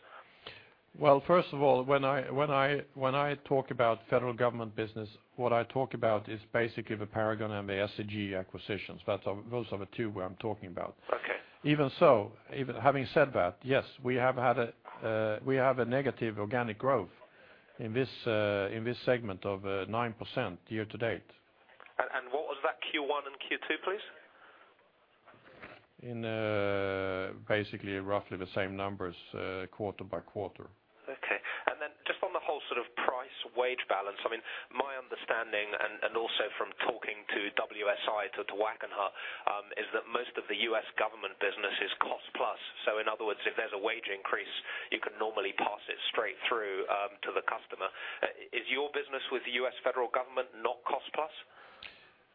Speaker 1: Well, first of all, when I talk about federal government business, what I talk about is, basically, the Paragon and the SCG acquisitions. That's those are the two where I'm talking about. Even so, having said that, yes, we have had a, we have a negative organic growth in this, in this segment of, 9% year-to-date.
Speaker 7: And what was that Q1 and Q2, please?
Speaker 1: In basically, roughly the same numbers, quarter by quarter.
Speaker 7: Okay. And then just on the whole sort of price-wage balance, I mean, my understanding and also from talking to WSI to Wackenhut, is that most of the U.S. government business is cost-plus, so in other words, if there's a wage increase, you can normally pass it straight through to the customer. Is your business with the U.S. federal government not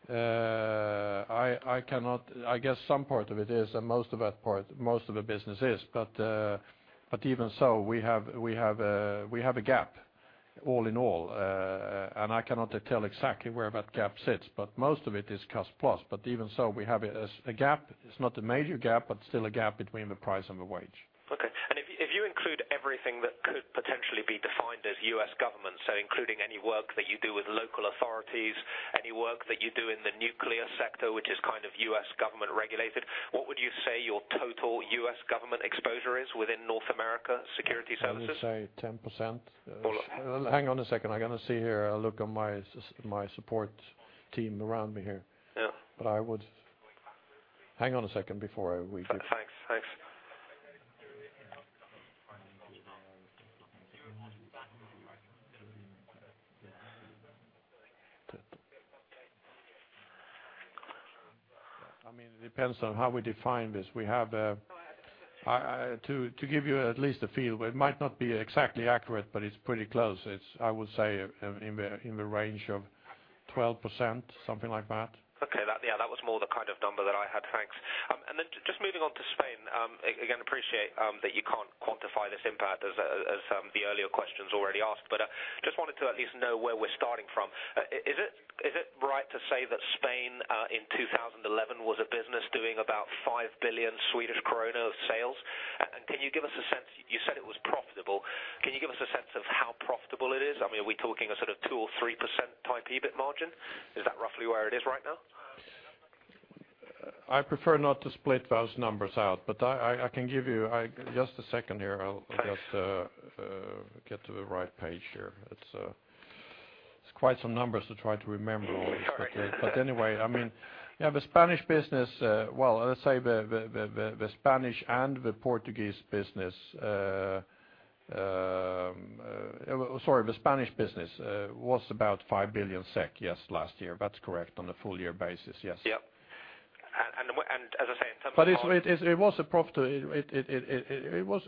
Speaker 7: cost-plus?
Speaker 1: I cannot, I guess some part of it is, and most of that part, most of the business is, but even so, we have a gap, all in all, and I cannot tell exactly where that gap sits, but most of it is cost-plus, but even so, we have a gap. It's not a major gap, but still a gap between the price and the wage.
Speaker 7: Okay. And if you include everything that could potentially be defined as U.S. government, so including any work that you do with local authorities, any work that you do in the nuclear sector, which is kind of U.S. government regulated, what would you say your total U.S. government exposure is within North America security services?
Speaker 1: I would say 10%. Well, hang on a second. I'm gonna see here. I'll look on my support team around me here. But I would hang on a second before we give you.
Speaker 7: Thanks. Thanks.
Speaker 1: I mean, it depends on how we define this. We have I to give you at least a feel, it might not be exactly accurate, but it's pretty close. It's, I would say, in the range of 12%, something like that.
Speaker 7: Okay. That, yeah, that was more the kind of number that I had. Thanks. And then just moving on to Spain, again, appreciate that you can't quantify this impact as the earlier questions already asked, but just wanted to at least know where we're starting from. Is it right to say that Spain, in 2011, was a business doing about 5 billion Swedish krona of sales? And can you give us a sense? You said it was profitable. Can you give us a sense of how profitable it is? I mean, are we talking a sort of 2% or 3%-type EBIT margin? Is that roughly where it is right now?
Speaker 1: I prefer not to split those numbers out, but I can give you. I'll just a second here. I'll just get to the right page here. It's quite some numbers to try to remember all these, but anyway, I mean, yeah, the Spanish business, well, let's say the Spanish and the Portuguese business, sorry, the Spanish business, was about 5 billion SEK, yes, last year. That's correct on a full-year basis, yes.
Speaker 7: Yep. And as I say, in terms of.
Speaker 1: But it is, it was a profitable, it was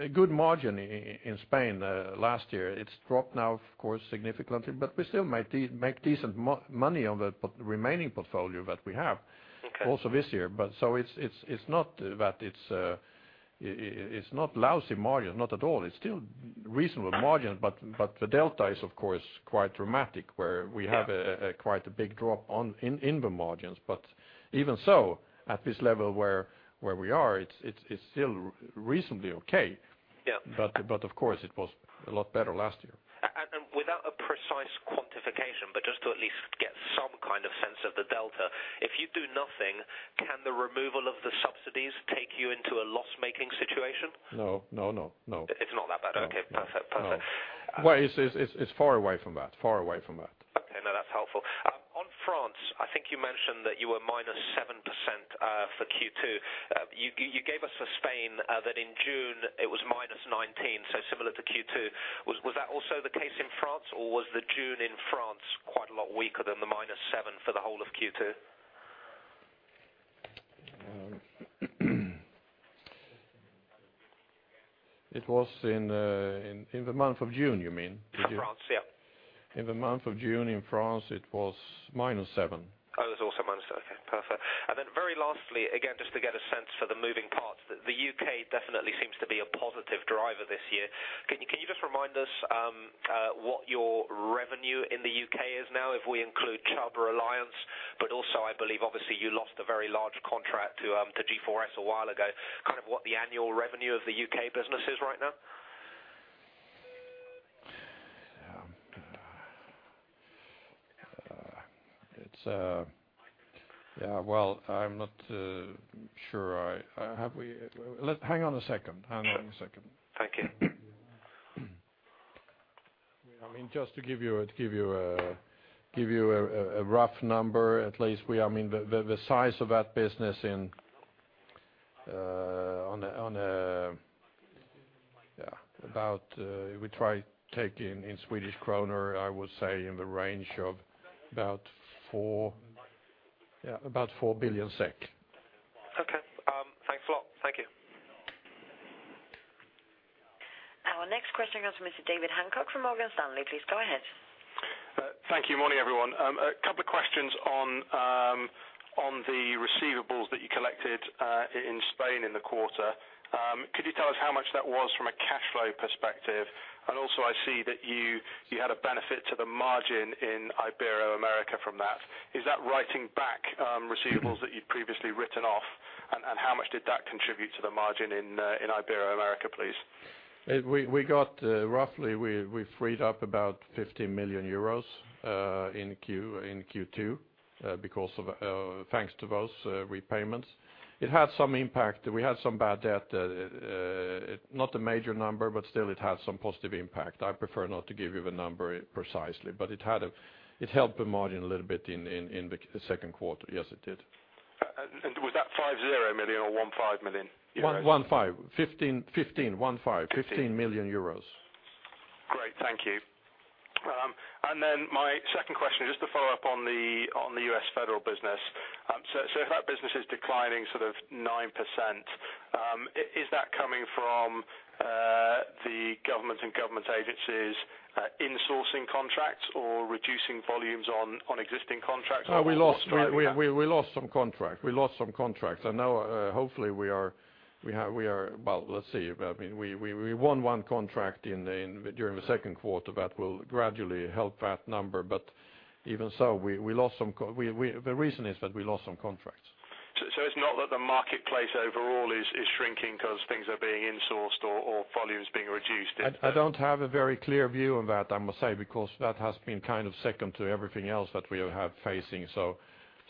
Speaker 1: a good margin in Spain last year. It's dropped now, of course, significantly, but we still make decent money on the remaining portfolio that we have. Also this year, but so it's not that it's, it's not a lousy margin, not at all. It's still reasonable margin, but the delta is, of course, quite dramatic where we have a quite big drop in the margins, but even so, at this level where we are, it's still reasonably okay.
Speaker 7: Yeah.
Speaker 1: But, of course, it was a lot better last year.
Speaker 7: And without a precise quantification, but just to at least get some kind of sense of the delta, if you do nothing, can the removal of the subsidies take you into a loss-making situation?
Speaker 1: No, no, no, no. It's not that bad?
Speaker 7: Okay. Perfect. Perfect.
Speaker 1: No. Well, it's far away from that, far away from that.
Speaker 7: Okay. No, that's helpful. On France, I think you mentioned that you were -7% for Q2. You gave us for Spain that in June it was -19%, so similar to Q2. Was that also the case in France, or was the June in France quite a lot weaker than the -7% for the whole of Q2?
Speaker 1: It was in the month of June, you mean?
Speaker 7: In France, yeah.
Speaker 1: In the month of June, in France, it was -7%.
Speaker 7: Oh, it was also -7%. Okay. Perfect. And then very lastly, again, just to get a sense for the moving parts, the U.K. definitely seems to be a positive driver this year. Can you just remind us what your revenue in the U.K. is now, if we include Chubb, Reliance, but also, I believe, obviously, you lost a very large contract to G4S a while ago, kind of what the annual revenue of the U.K. business is right now?
Speaker 1: It's, yeah, well, I'm not sure. Hang on a second. Hang on a second. I mean, just to give you a rough number, at least, I mean, the size of that business, about, if we try to take in Swedish kronor, I would say in the range of about 4 billion SEK.
Speaker 7: Okay. Thanks a lot. Thank you.
Speaker 2: Our next question goes from Mr. David Hancock from Morgan Stanley. Please go ahead.
Speaker 8: Thank you. Morning, everyone. A couple of questions on the receivables that you collected in Spain in the quarter. Could you tell us how much that was from a cash flow perspective? And also, I see that you had a benefit to the margin in Ibero-America from that. Is that writing back receivables that you'd previously written off, and how much did that contribute to the margin in Ibero-America, please?
Speaker 1: We got, roughly, we freed up about 15 million euros in Q2 because of, thanks to those repayments. It had some impact. We had some bad debt, not a major number, but still, it had some positive impact. I prefer not to give you the number precisely, but it helped the margin a little bit in the second quarter. Yes, it did.
Speaker 8: And was that 50 million or 15 million?
Speaker 1: 15. 15. 15 million euros.
Speaker 8: Great. Thank you. And then my second question, just to follow up on the U.S. federal business, so if that business is declining sort of 9%, is that coming from the government and government agencies, insourcing contracts or reducing volumes on existing contracts?
Speaker 1: Oh, we lost some contracts. We lost some contracts, and now, hopefully, we are well, let's see. I mean, we won one contract during the second quarter that will gradually help that number, but even so, we lost some contracts. So the reason is that we lost some contracts.
Speaker 8: So it's not that the marketplace overall is shrinking 'cause things are being insourced or volumes being reduced?
Speaker 1: I don't have a very clear view on that, I must say, because that has been kind of second to everything else that we have facing, so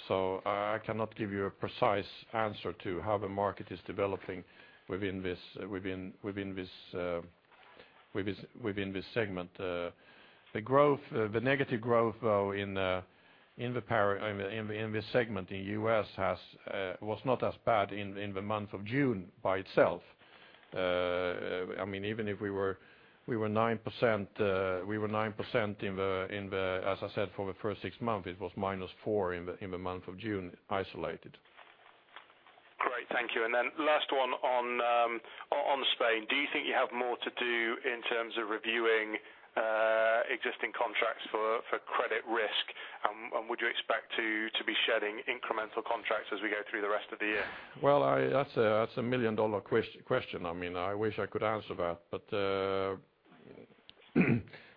Speaker 1: I cannot give you a precise answer to how the market is developing within this segment. The negative growth, though, in this segment in the U.S. was not as bad in the month of June by itself. I mean, even if we were 9%, we were 9% in the, as I said, for the first six months, it was -4% in the month of June isolated.
Speaker 8: Great. Thank you. And then last one on Spain. Do you think you have more to do in terms of reviewing existing contracts for credit risk, and would you expect to be shedding incremental contracts as we go through the rest of the year?
Speaker 1: Well, that's a million-dollar question. I mean, I wish I could answer that, but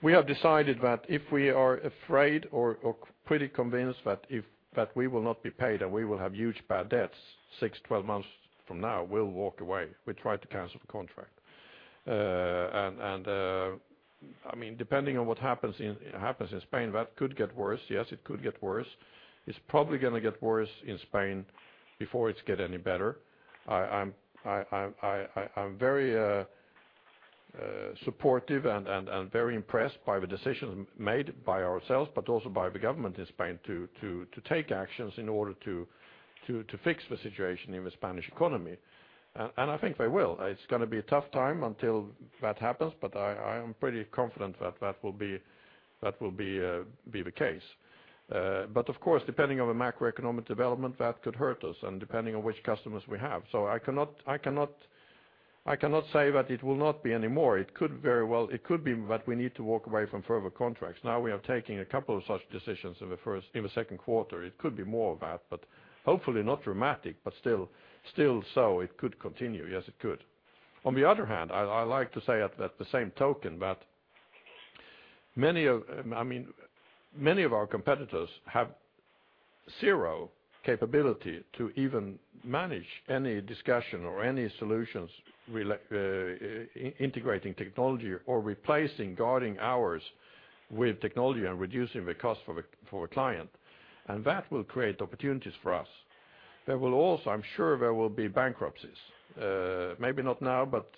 Speaker 1: we have decided that if we are afraid or pretty convinced that we will not be paid and we will have huge bad debts six, 12 months from now, we'll walk away. We tried to cancel the contract. I mean, depending on what happens in Spain, that could get worse. Yes, it could get worse. It's probably gonna get worse in Spain before it gets any better. I'm very supportive and very impressed by the decisions made by ourselves, but also by the government in Spain to take actions in order to fix the situation in the Spanish economy. And I think they will. It's gonna be a tough time until that happens, but I am pretty confident that that will be the case. But of course, depending on the macroeconomic development, that could hurt us and depending on which customers we have. So I cannot say that it will not be anymore. It could very well be that we need to walk away from further contracts. Now, we are taking a couple of such decisions in the second quarter. It could be more of that, but hopefully not dramatic, but still so, it could continue. Yes, it could. On the other hand, I like to say by the same token that many of—I mean, many of—our competitors have zero capability to even manage any discussion or any solutions re-integrating technology or replacing guarding ours with technology and reducing the cost for the client, and that will create opportunities for us. There will also, I'm sure, be bankruptcies, maybe not now, but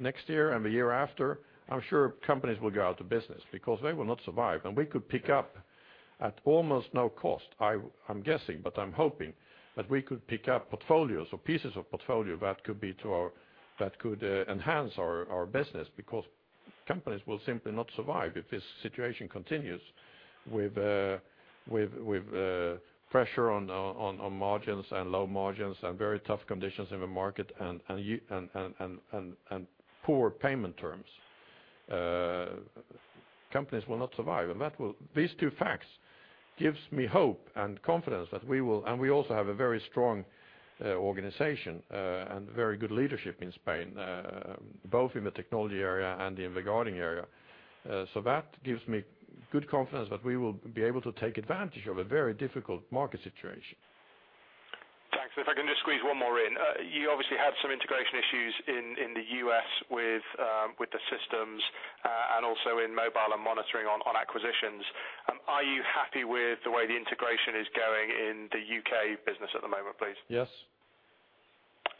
Speaker 1: next year and the year after. I'm sure companies will go out of business because they will not survive, and we could pick up at almost no cost. I'm guessing, but I'm hoping that we could pick up portfolios or pieces of portfolio that could enhance our business because companies will simply not survive if this situation continues with pressure on margins and low margins and very tough conditions in the market and poor payment terms. Companies will not survive, and that will these two facts gives me hope and confidence that we will and we also have a very strong organization and very good leadership in Spain, both in the technology area and in the guarding area. So that gives me good confidence that we will be able to take advantage of a very difficult market situation.
Speaker 8: Thanks. If I can just squeeze one more in. You obviously had some integration issues in the U.S. with the systems, and also in Mobile and Monitoring on acquisitions. Are you happy with the way the integration is going in the U.K. business at the moment, please?
Speaker 1: Yes.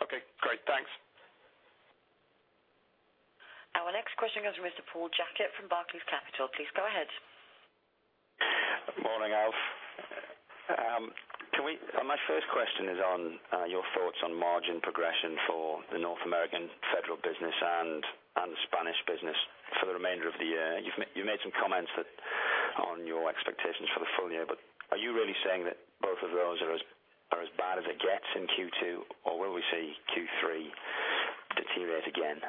Speaker 8: Okay. Great. Thanks.
Speaker 2: Our next question goes from Mr. Paul Checketts from Barclays Capital. Please go ahead.
Speaker 9: Morning, Alf. And my first question is on your thoughts on margin progression for the North American federal business and Spanish business for the remainder of the year. You've made some comments on your expectations for the full year, but are you really saying that both of those are as bad as it gets in Q2, or will we see Q3 deteriorate again?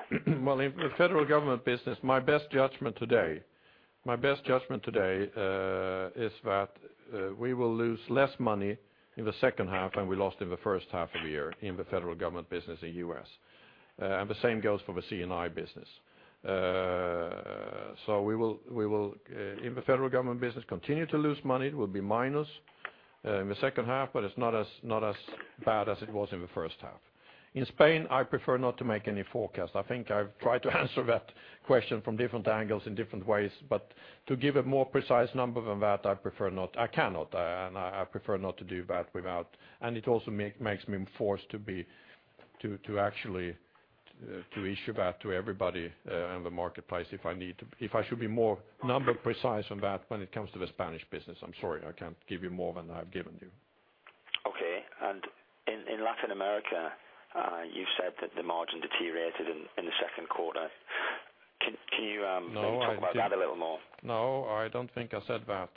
Speaker 1: Well, in federal government business, my best judgment today is that we will lose less money in the second half than we lost in the first half of the year in the federal government business in the U.S. And the same goes for the C&I business. So we will, in the federal government business, continue to lose money. It will be minus in the second half, but it's not as bad as it was in the first half. In Spain, I prefer not to make any forecast. I think I've tried to answer that question from different angles in different ways, but to give a more precise number than that, I prefer not; I cannot and I prefer not to do that without, and it also makes me forced to be to actually issue that to everybody in the marketplace if I need to, if I should be more number precise on that when it comes to the Spanish business. I'm sorry. I can't give you more than I have given you.
Speaker 9: Okay. And in Latin America, you've said that the margin deteriorated in the second quarter. Can you talk about that a little more?
Speaker 1: No, I don't think I said that.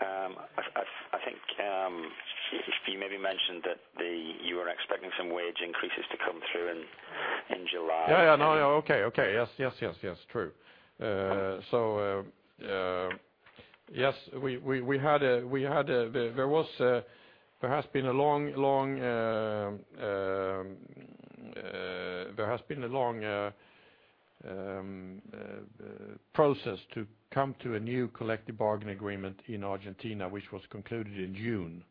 Speaker 9: I think you maybe mentioned that you were expecting some wage increases to come through in July.
Speaker 1: Yeah, yeah. No, yeah. Okay. Okay. Yes, yes, yes, yes. True. So, yes, there has been a long process to come to a new collective bargaining agreement in Argentina, which was concluded in June,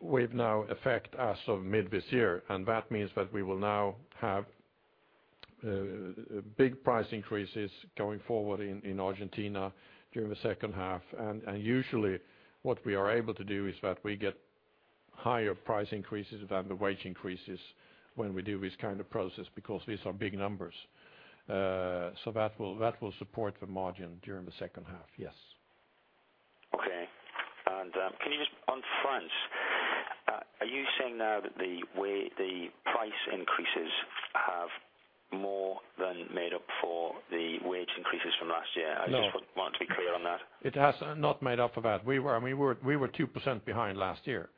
Speaker 1: with now effect as of mid this year. And that means that we will now have big price increases going forward in Argentina during the second half. And usually, what we are able to do is that we get higher price increases than the wage increases when we do this kind of process because these are big numbers. So that will support the margin during the second half. Yes.
Speaker 9: Okay. And can you just on France, are you saying now that the way the price increases have more than made up for the wage increases from last year? I just want.
Speaker 1: No.
Speaker 9: To be clear on that.
Speaker 1: It has not made up for that. We were, I mean, we were 2% behind last year.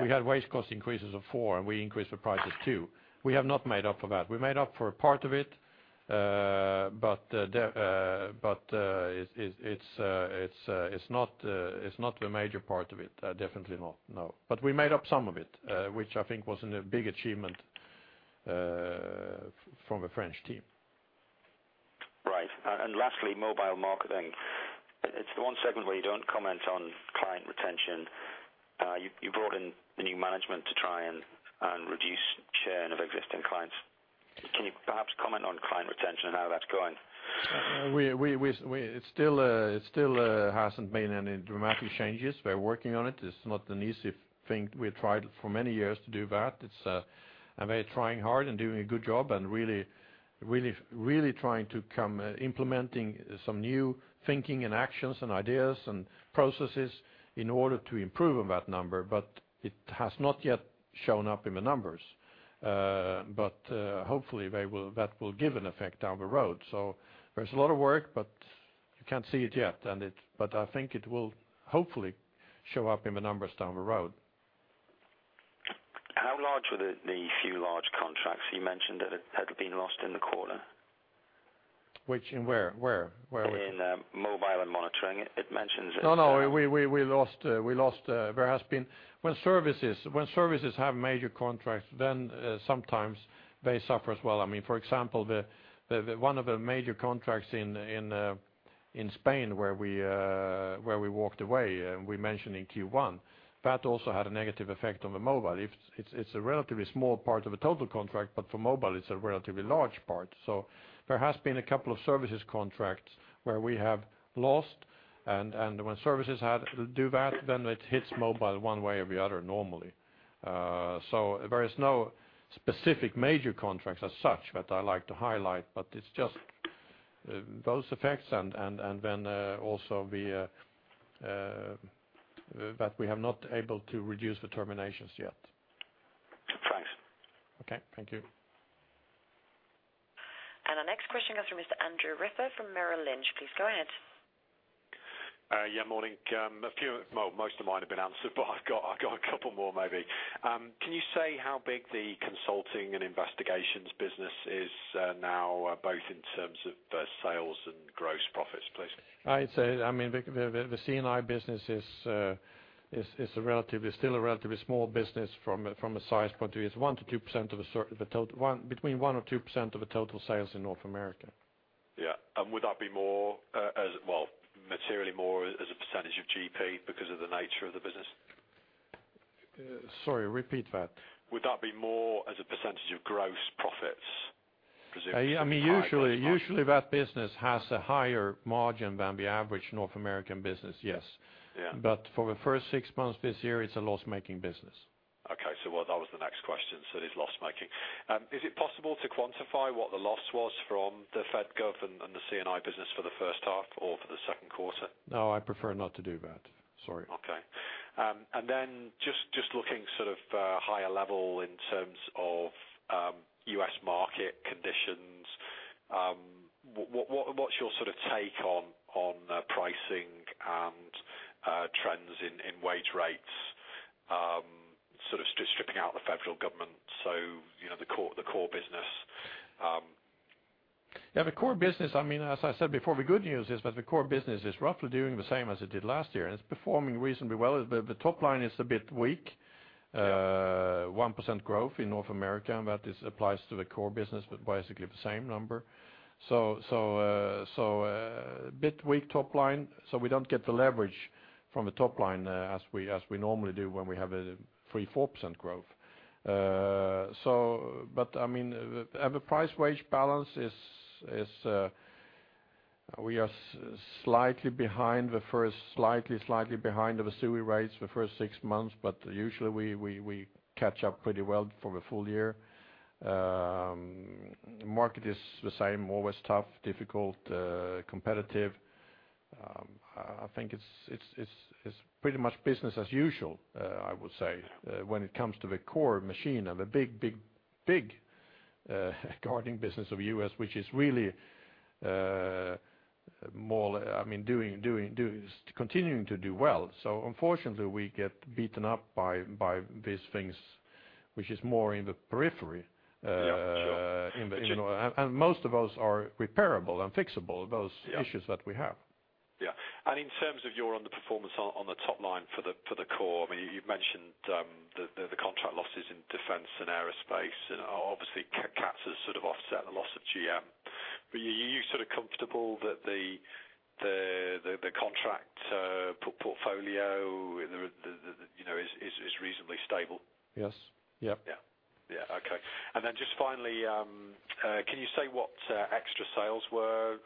Speaker 1: We had wage cost increases of 4%, and we increased the prices 2%. We have not made up for that. We made up for part of it, but the but, it's not the major part of it. Definitely not. No. But we made up some of it, which I think was a big achievement from the French team.
Speaker 9: Right. And lastly, Mobile and Monitoring. It's the one segment where you don't comment on client retention. You brought in the new management to try and reduce churn of existing clients. Can you perhaps comment on client retention and how that's going? We, it's still, it still hasn't made any dramatic changes.
Speaker 1: They're working on it. It's not an easy thing. We've tried for many years to do that. It's, and they're trying hard and doing a good job and really, really, really trying to come implementing some new thinking and actions and ideas and processes in order to improve on that number, but it has not yet shown up in the numbers. But, hopefully, they will that will give an effect down the road. So there's a lot of work, but you can't see it yet, and it but I think it will hopefully show up in the numbers down the road.
Speaker 9: How large were the few large contracts you mentioned that had been lost in the quarter?
Speaker 1: Which in where? Where? Where were they?
Speaker 9: In Mobile and Monitoring. It mentions it.
Speaker 1: No, no. We lost. There has been, when services have major contracts, then sometimes they suffer as well. I mean, for example, one of the major contracts in Spain where we walked away, and we mentioned in Q1, that also had a negative effect on the mobile. It's a relatively small part of a total contract, but for mobile, it's a relatively large part. So there has been a couple of services contracts where we have lost, and when services have to do that, then it hits mobile one way or the other normally. So there is no specific major contracts as such that I like to highlight, but it's just those effects and then also that we have not been able to reduce the terminations yet.
Speaker 9: Thanks. Okay.
Speaker 1: Thank you.
Speaker 2: And our next question goes from Mr. Andrew Ripper from Merrill Lynch. Please go ahead.
Speaker 10: Yeah. Morning. A few, well, most of mine have been answered, but I've got a couple more, maybe. Can you say how big the Consulting and Investigations business is, now, both in terms of sales and gross profits, please? I'd say, I mean, the C&I business is, it's a relatively small business from a size point of view. It's 1%-2% of the total sales in North America. Yeah. And would that be more, as well, materially more as a percentage of GP because of the nature of the business?
Speaker 1: Sorry. Repeat that.
Speaker 10: Would that be more as a percentage of gross profits, presumably?
Speaker 1: Yeah. I mean, usually, that business has a higher margin than the average North American business. Yes. But for the first six months this year, it's a loss-making business.
Speaker 10: Okay. So, well, that was the next question. So it is loss-making. Is it possible to quantify what the loss was from the FedGov and the C&I business for the first half or for the second quarter?
Speaker 1: No, I prefer not to do that. Sorry.
Speaker 10: Okay. And then, just looking sort of higher level in terms of U.S. market conditions, what's your sort of take on pricing and trends in wage rates, sort of stripping out the federal government, so, you know, the core business?
Speaker 1: Yeah. The core business I mean, as I said before, we could use this, but the core business is roughly doing the same as it did last year, and it's performing reasonably well. The top line is a bit weak, 1% growth in North America, and that applies to the core business, but basically the same number. So, bit weak top line, so we don't get the leverage from the top line, as we normally do when we have a 3%-4% growth. But I mean, the price-wage balance is, we are slightly behind the first six months, slightly behind the wage rates the first six months, but usually, we catch up pretty well for the full year. The market is the same, always tough, difficult, competitive. I think it's pretty much business as usual, I would say, when it comes to the core machine and the big guarding business of the U.S., which is really, more I mean, continuing to do well. So unfortunately, we get beaten up by these things, which is more in the periphery. In the north. And most of those are repairable and fixable, those issues that we have.
Speaker 10: Yeah. And in terms of your on the performance on the top line for the core, I mean, you've mentioned the contract losses in defense and aerospace, and obviously, CATSA has sort of offset the loss of GM. But you sort of comfortable that the contract portfolio, you know, is reasonably stable?
Speaker 1: Yes. Yep.
Speaker 10: Yeah. Yeah. Okay. And then just finally, can you say what extra sales were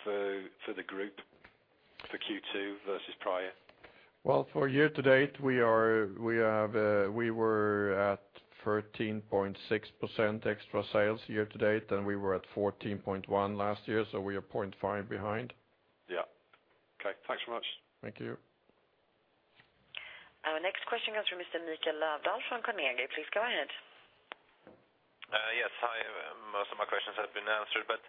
Speaker 10: for the group for Q2 versus prior?
Speaker 1: Well, for year to date, we are we have, we were at 13.6% extra sales year to date, and we were at 14.1% last year, so we are 0.5% behind.
Speaker 10: Yeah. Okay. Thanks very much.
Speaker 1: Thank you.
Speaker 2: Our next question goes from Mr. Mikael Löfdahl from Carnegie. Please go ahead.
Speaker 11: Yes. Hi. Most of my questions have been answered, but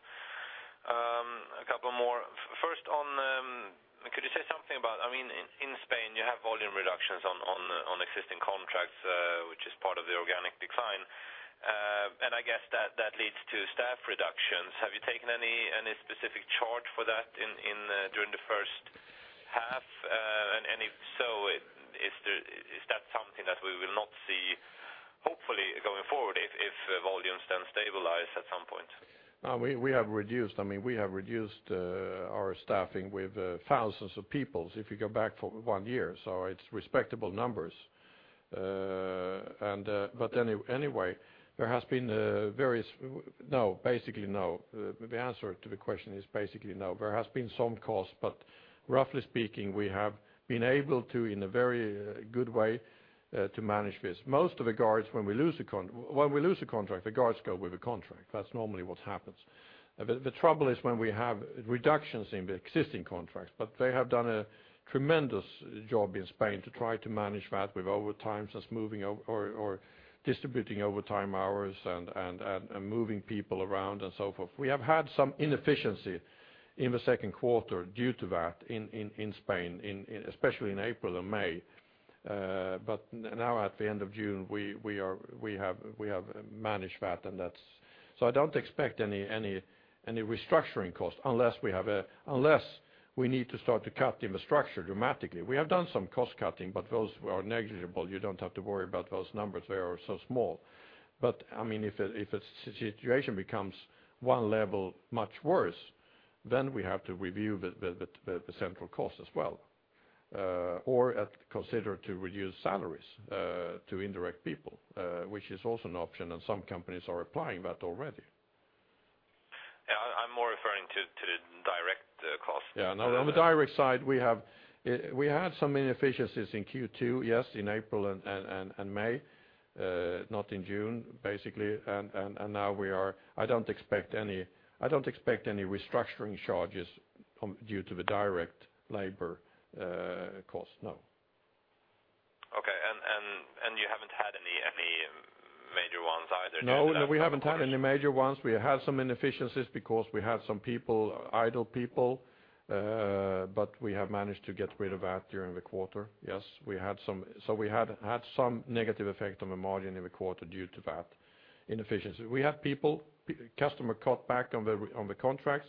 Speaker 11: a couple more. First on, could you say something about? I mean, in Spain, you have volume reductions on existing contracts, which is part of the organic decline, and I guess that leads to staff reductions. Have you taken any specific chart for that in during the first half, and so is there that something that we will not see, hopefully, going forward if volumes then stabilize at some point?
Speaker 1: We have reduced. I mean, we have reduced our staffing with thousands of people if you go back for one year. So it's respectable numbers. But anyway, basically no. The answer to the question is basically no. There has been some cost, but roughly speaking, we have been able to in a very good way to manage this. Most of the guards when we lose a contract, the guards go with the contract. That's normally what happens. The trouble is when we have reductions in the existing contracts, but they have done a tremendous job in Spain to try to manage that with overtimes and smoothing or distributing overtime hours and moving people around and so forth. We have had some inefficiency in the second quarter due to that in Spain, especially in April and May. But now at the end of June, we have managed that, and that's so I don't expect any restructuring cost unless we need to start to cut infrastructure dramatically. We have done some cost cutting, but those are negligible. You don't have to worry about those numbers. They are so small. But I mean, if the situation becomes one level much worse, then we have to review the central cost as well, or consider to reduce salaries to indirect people, which is also an option, and some companies are applying that already.
Speaker 11: Yeah. I'm more referring to the direct cost.
Speaker 1: Yeah. Now, on the direct side, we had some inefficiencies in Q2, yes, in April and May, not in June, basically. And now, I don't expect any restructuring charges due to the direct labor cost. No.
Speaker 11: Okay. And you haven't had any major ones either due to that?
Speaker 1: No. We haven't had any major ones. We had some inefficiencies because we had some idle people, but we have managed to get rid of that during the quarter. Yes. We had some negative effect on the margin in the quarter due to that inefficiency. We had people customer cut back on the contracts.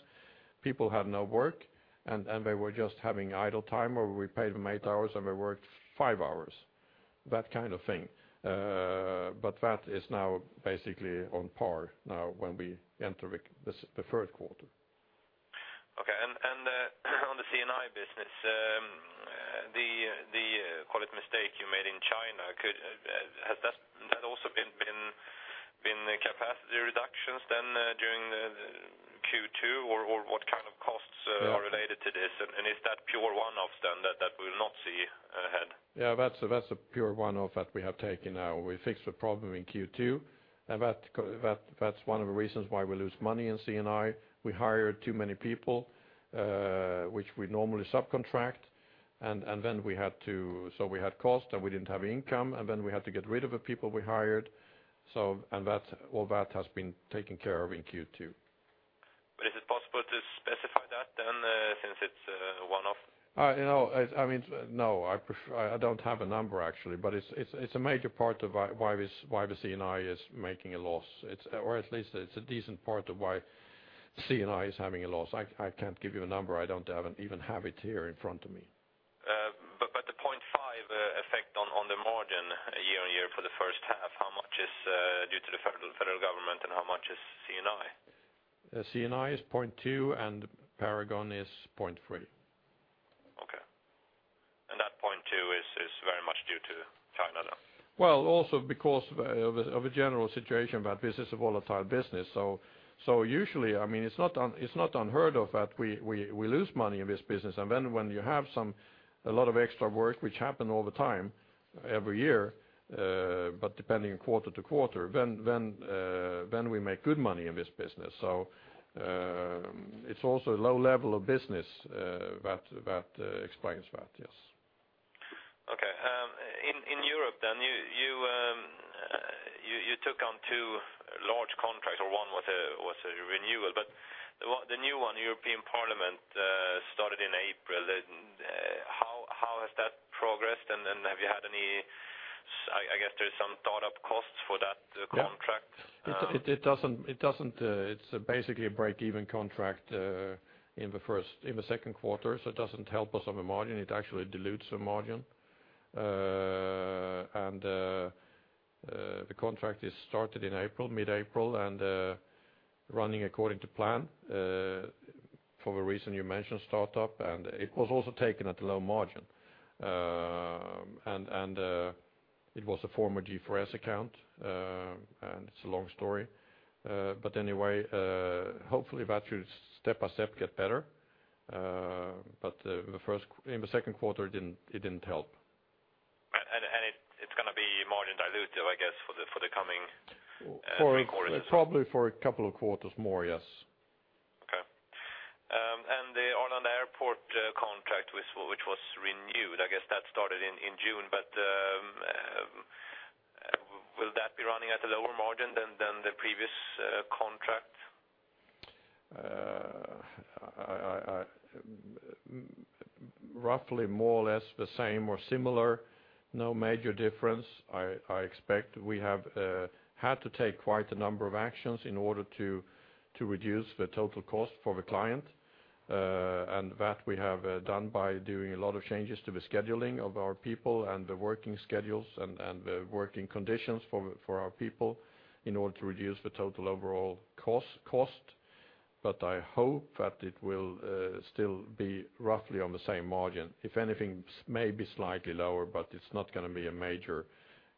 Speaker 1: People had no work, and they were just having idle time where we paid them 8 hours, and they worked 5 hours, that kind of thing. But that is now basically on par now when we enter the third quarter.
Speaker 11: Okay. And on the C&I business, the call it mistake you made in China, could has that also been capacity reductions then, during the Q2, or what kind of costs are related to this? And is that pure one-offs then that we will not see ahead?
Speaker 1: Yeah. That's a pure one-off that we have taken now. We fixed the problem in Q2, and that's one of the reasons why we lose money in C&I. We hired too many people, which we normally subcontract, and then we had to, so we had cost, and we didn't have income, and then we had to get rid of the people we hired. So that all has been taken care of in Q2. But is it possible to specify that then, since it's one-off? No. I mean, no. I prefer. I don't have a number, actually, but it's a major part of why this why the C&I is making a loss. It's, or at least, it's a decent part of why C&I is having a loss. I can't give you a number. I don't even have it here in front of me.
Speaker 11: But the 0.5% effect on the margin year-on-year for the first half, how much is due to the federal government, and how much is C&I?
Speaker 1: C&I is 0.2%, and Paragon is 0.3%.
Speaker 11: Okay. And that 0.2% is very much due to China then?
Speaker 1: Well, also because of a general situation that this is a volatile business. So usually, I mean, it's not unheard of that we lose money in this business. And then when you have some a lot of extra work, which happen all the time every year, but depending on quarter to quarter, then we make good money in this business. So, it's also a low level of business, that explains that. Yes.
Speaker 11: Okay. In Europe then, you took on two large contracts, or one was a renewal, but the one, the new one, European Parliament, started in April. How has that progressed, and have you had any? I guess there's some start-up costs for that contract?
Speaker 1: Yeah. It doesn't, it's basically a break-even contract, in the first, in the second quarter, so it doesn't help us on the margin. It actually dilutes the margin. The contract is started in April, mid-April, and running according to plan, for the reason you mentioned, startup, and it was also taken at a low margin. And it's gonna be margin dilutive, I guess, for the coming quarters as well? For probably a couple of quarters more. Yes.
Speaker 11: Okay. And the Arlanda Airport contract, which was renewed, I guess that started in June, but will that be running at a lower margin than the previous contract?
Speaker 1: I roughly more or less the same or similar. No major difference. I expect we had to take quite a number of actions in order to reduce the total cost for the client. And that we have done by doing a lot of changes to the scheduling of our people and the working schedules and the working conditions for our people in order to reduce the total overall cost. But I hope that it will still be roughly on the same margin. If anything, may be slightly lower, but it's not gonna be a major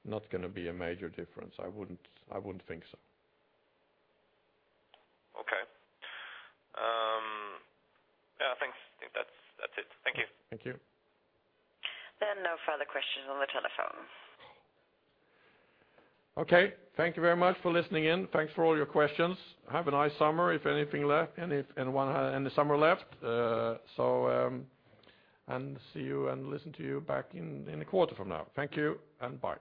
Speaker 1: difference. I wouldn't think so.
Speaker 11: Okay. Yeah. I think that's it.
Speaker 1: Thank you.
Speaker 2: Then no further questions on the telephone.
Speaker 1: Okay. Thank you very much for listening in. Thanks for all your questions. Have a nice summer if anything left any if anyone had any summer left. So, see you and listen to you back in a quarter from now. Thank you, and bye.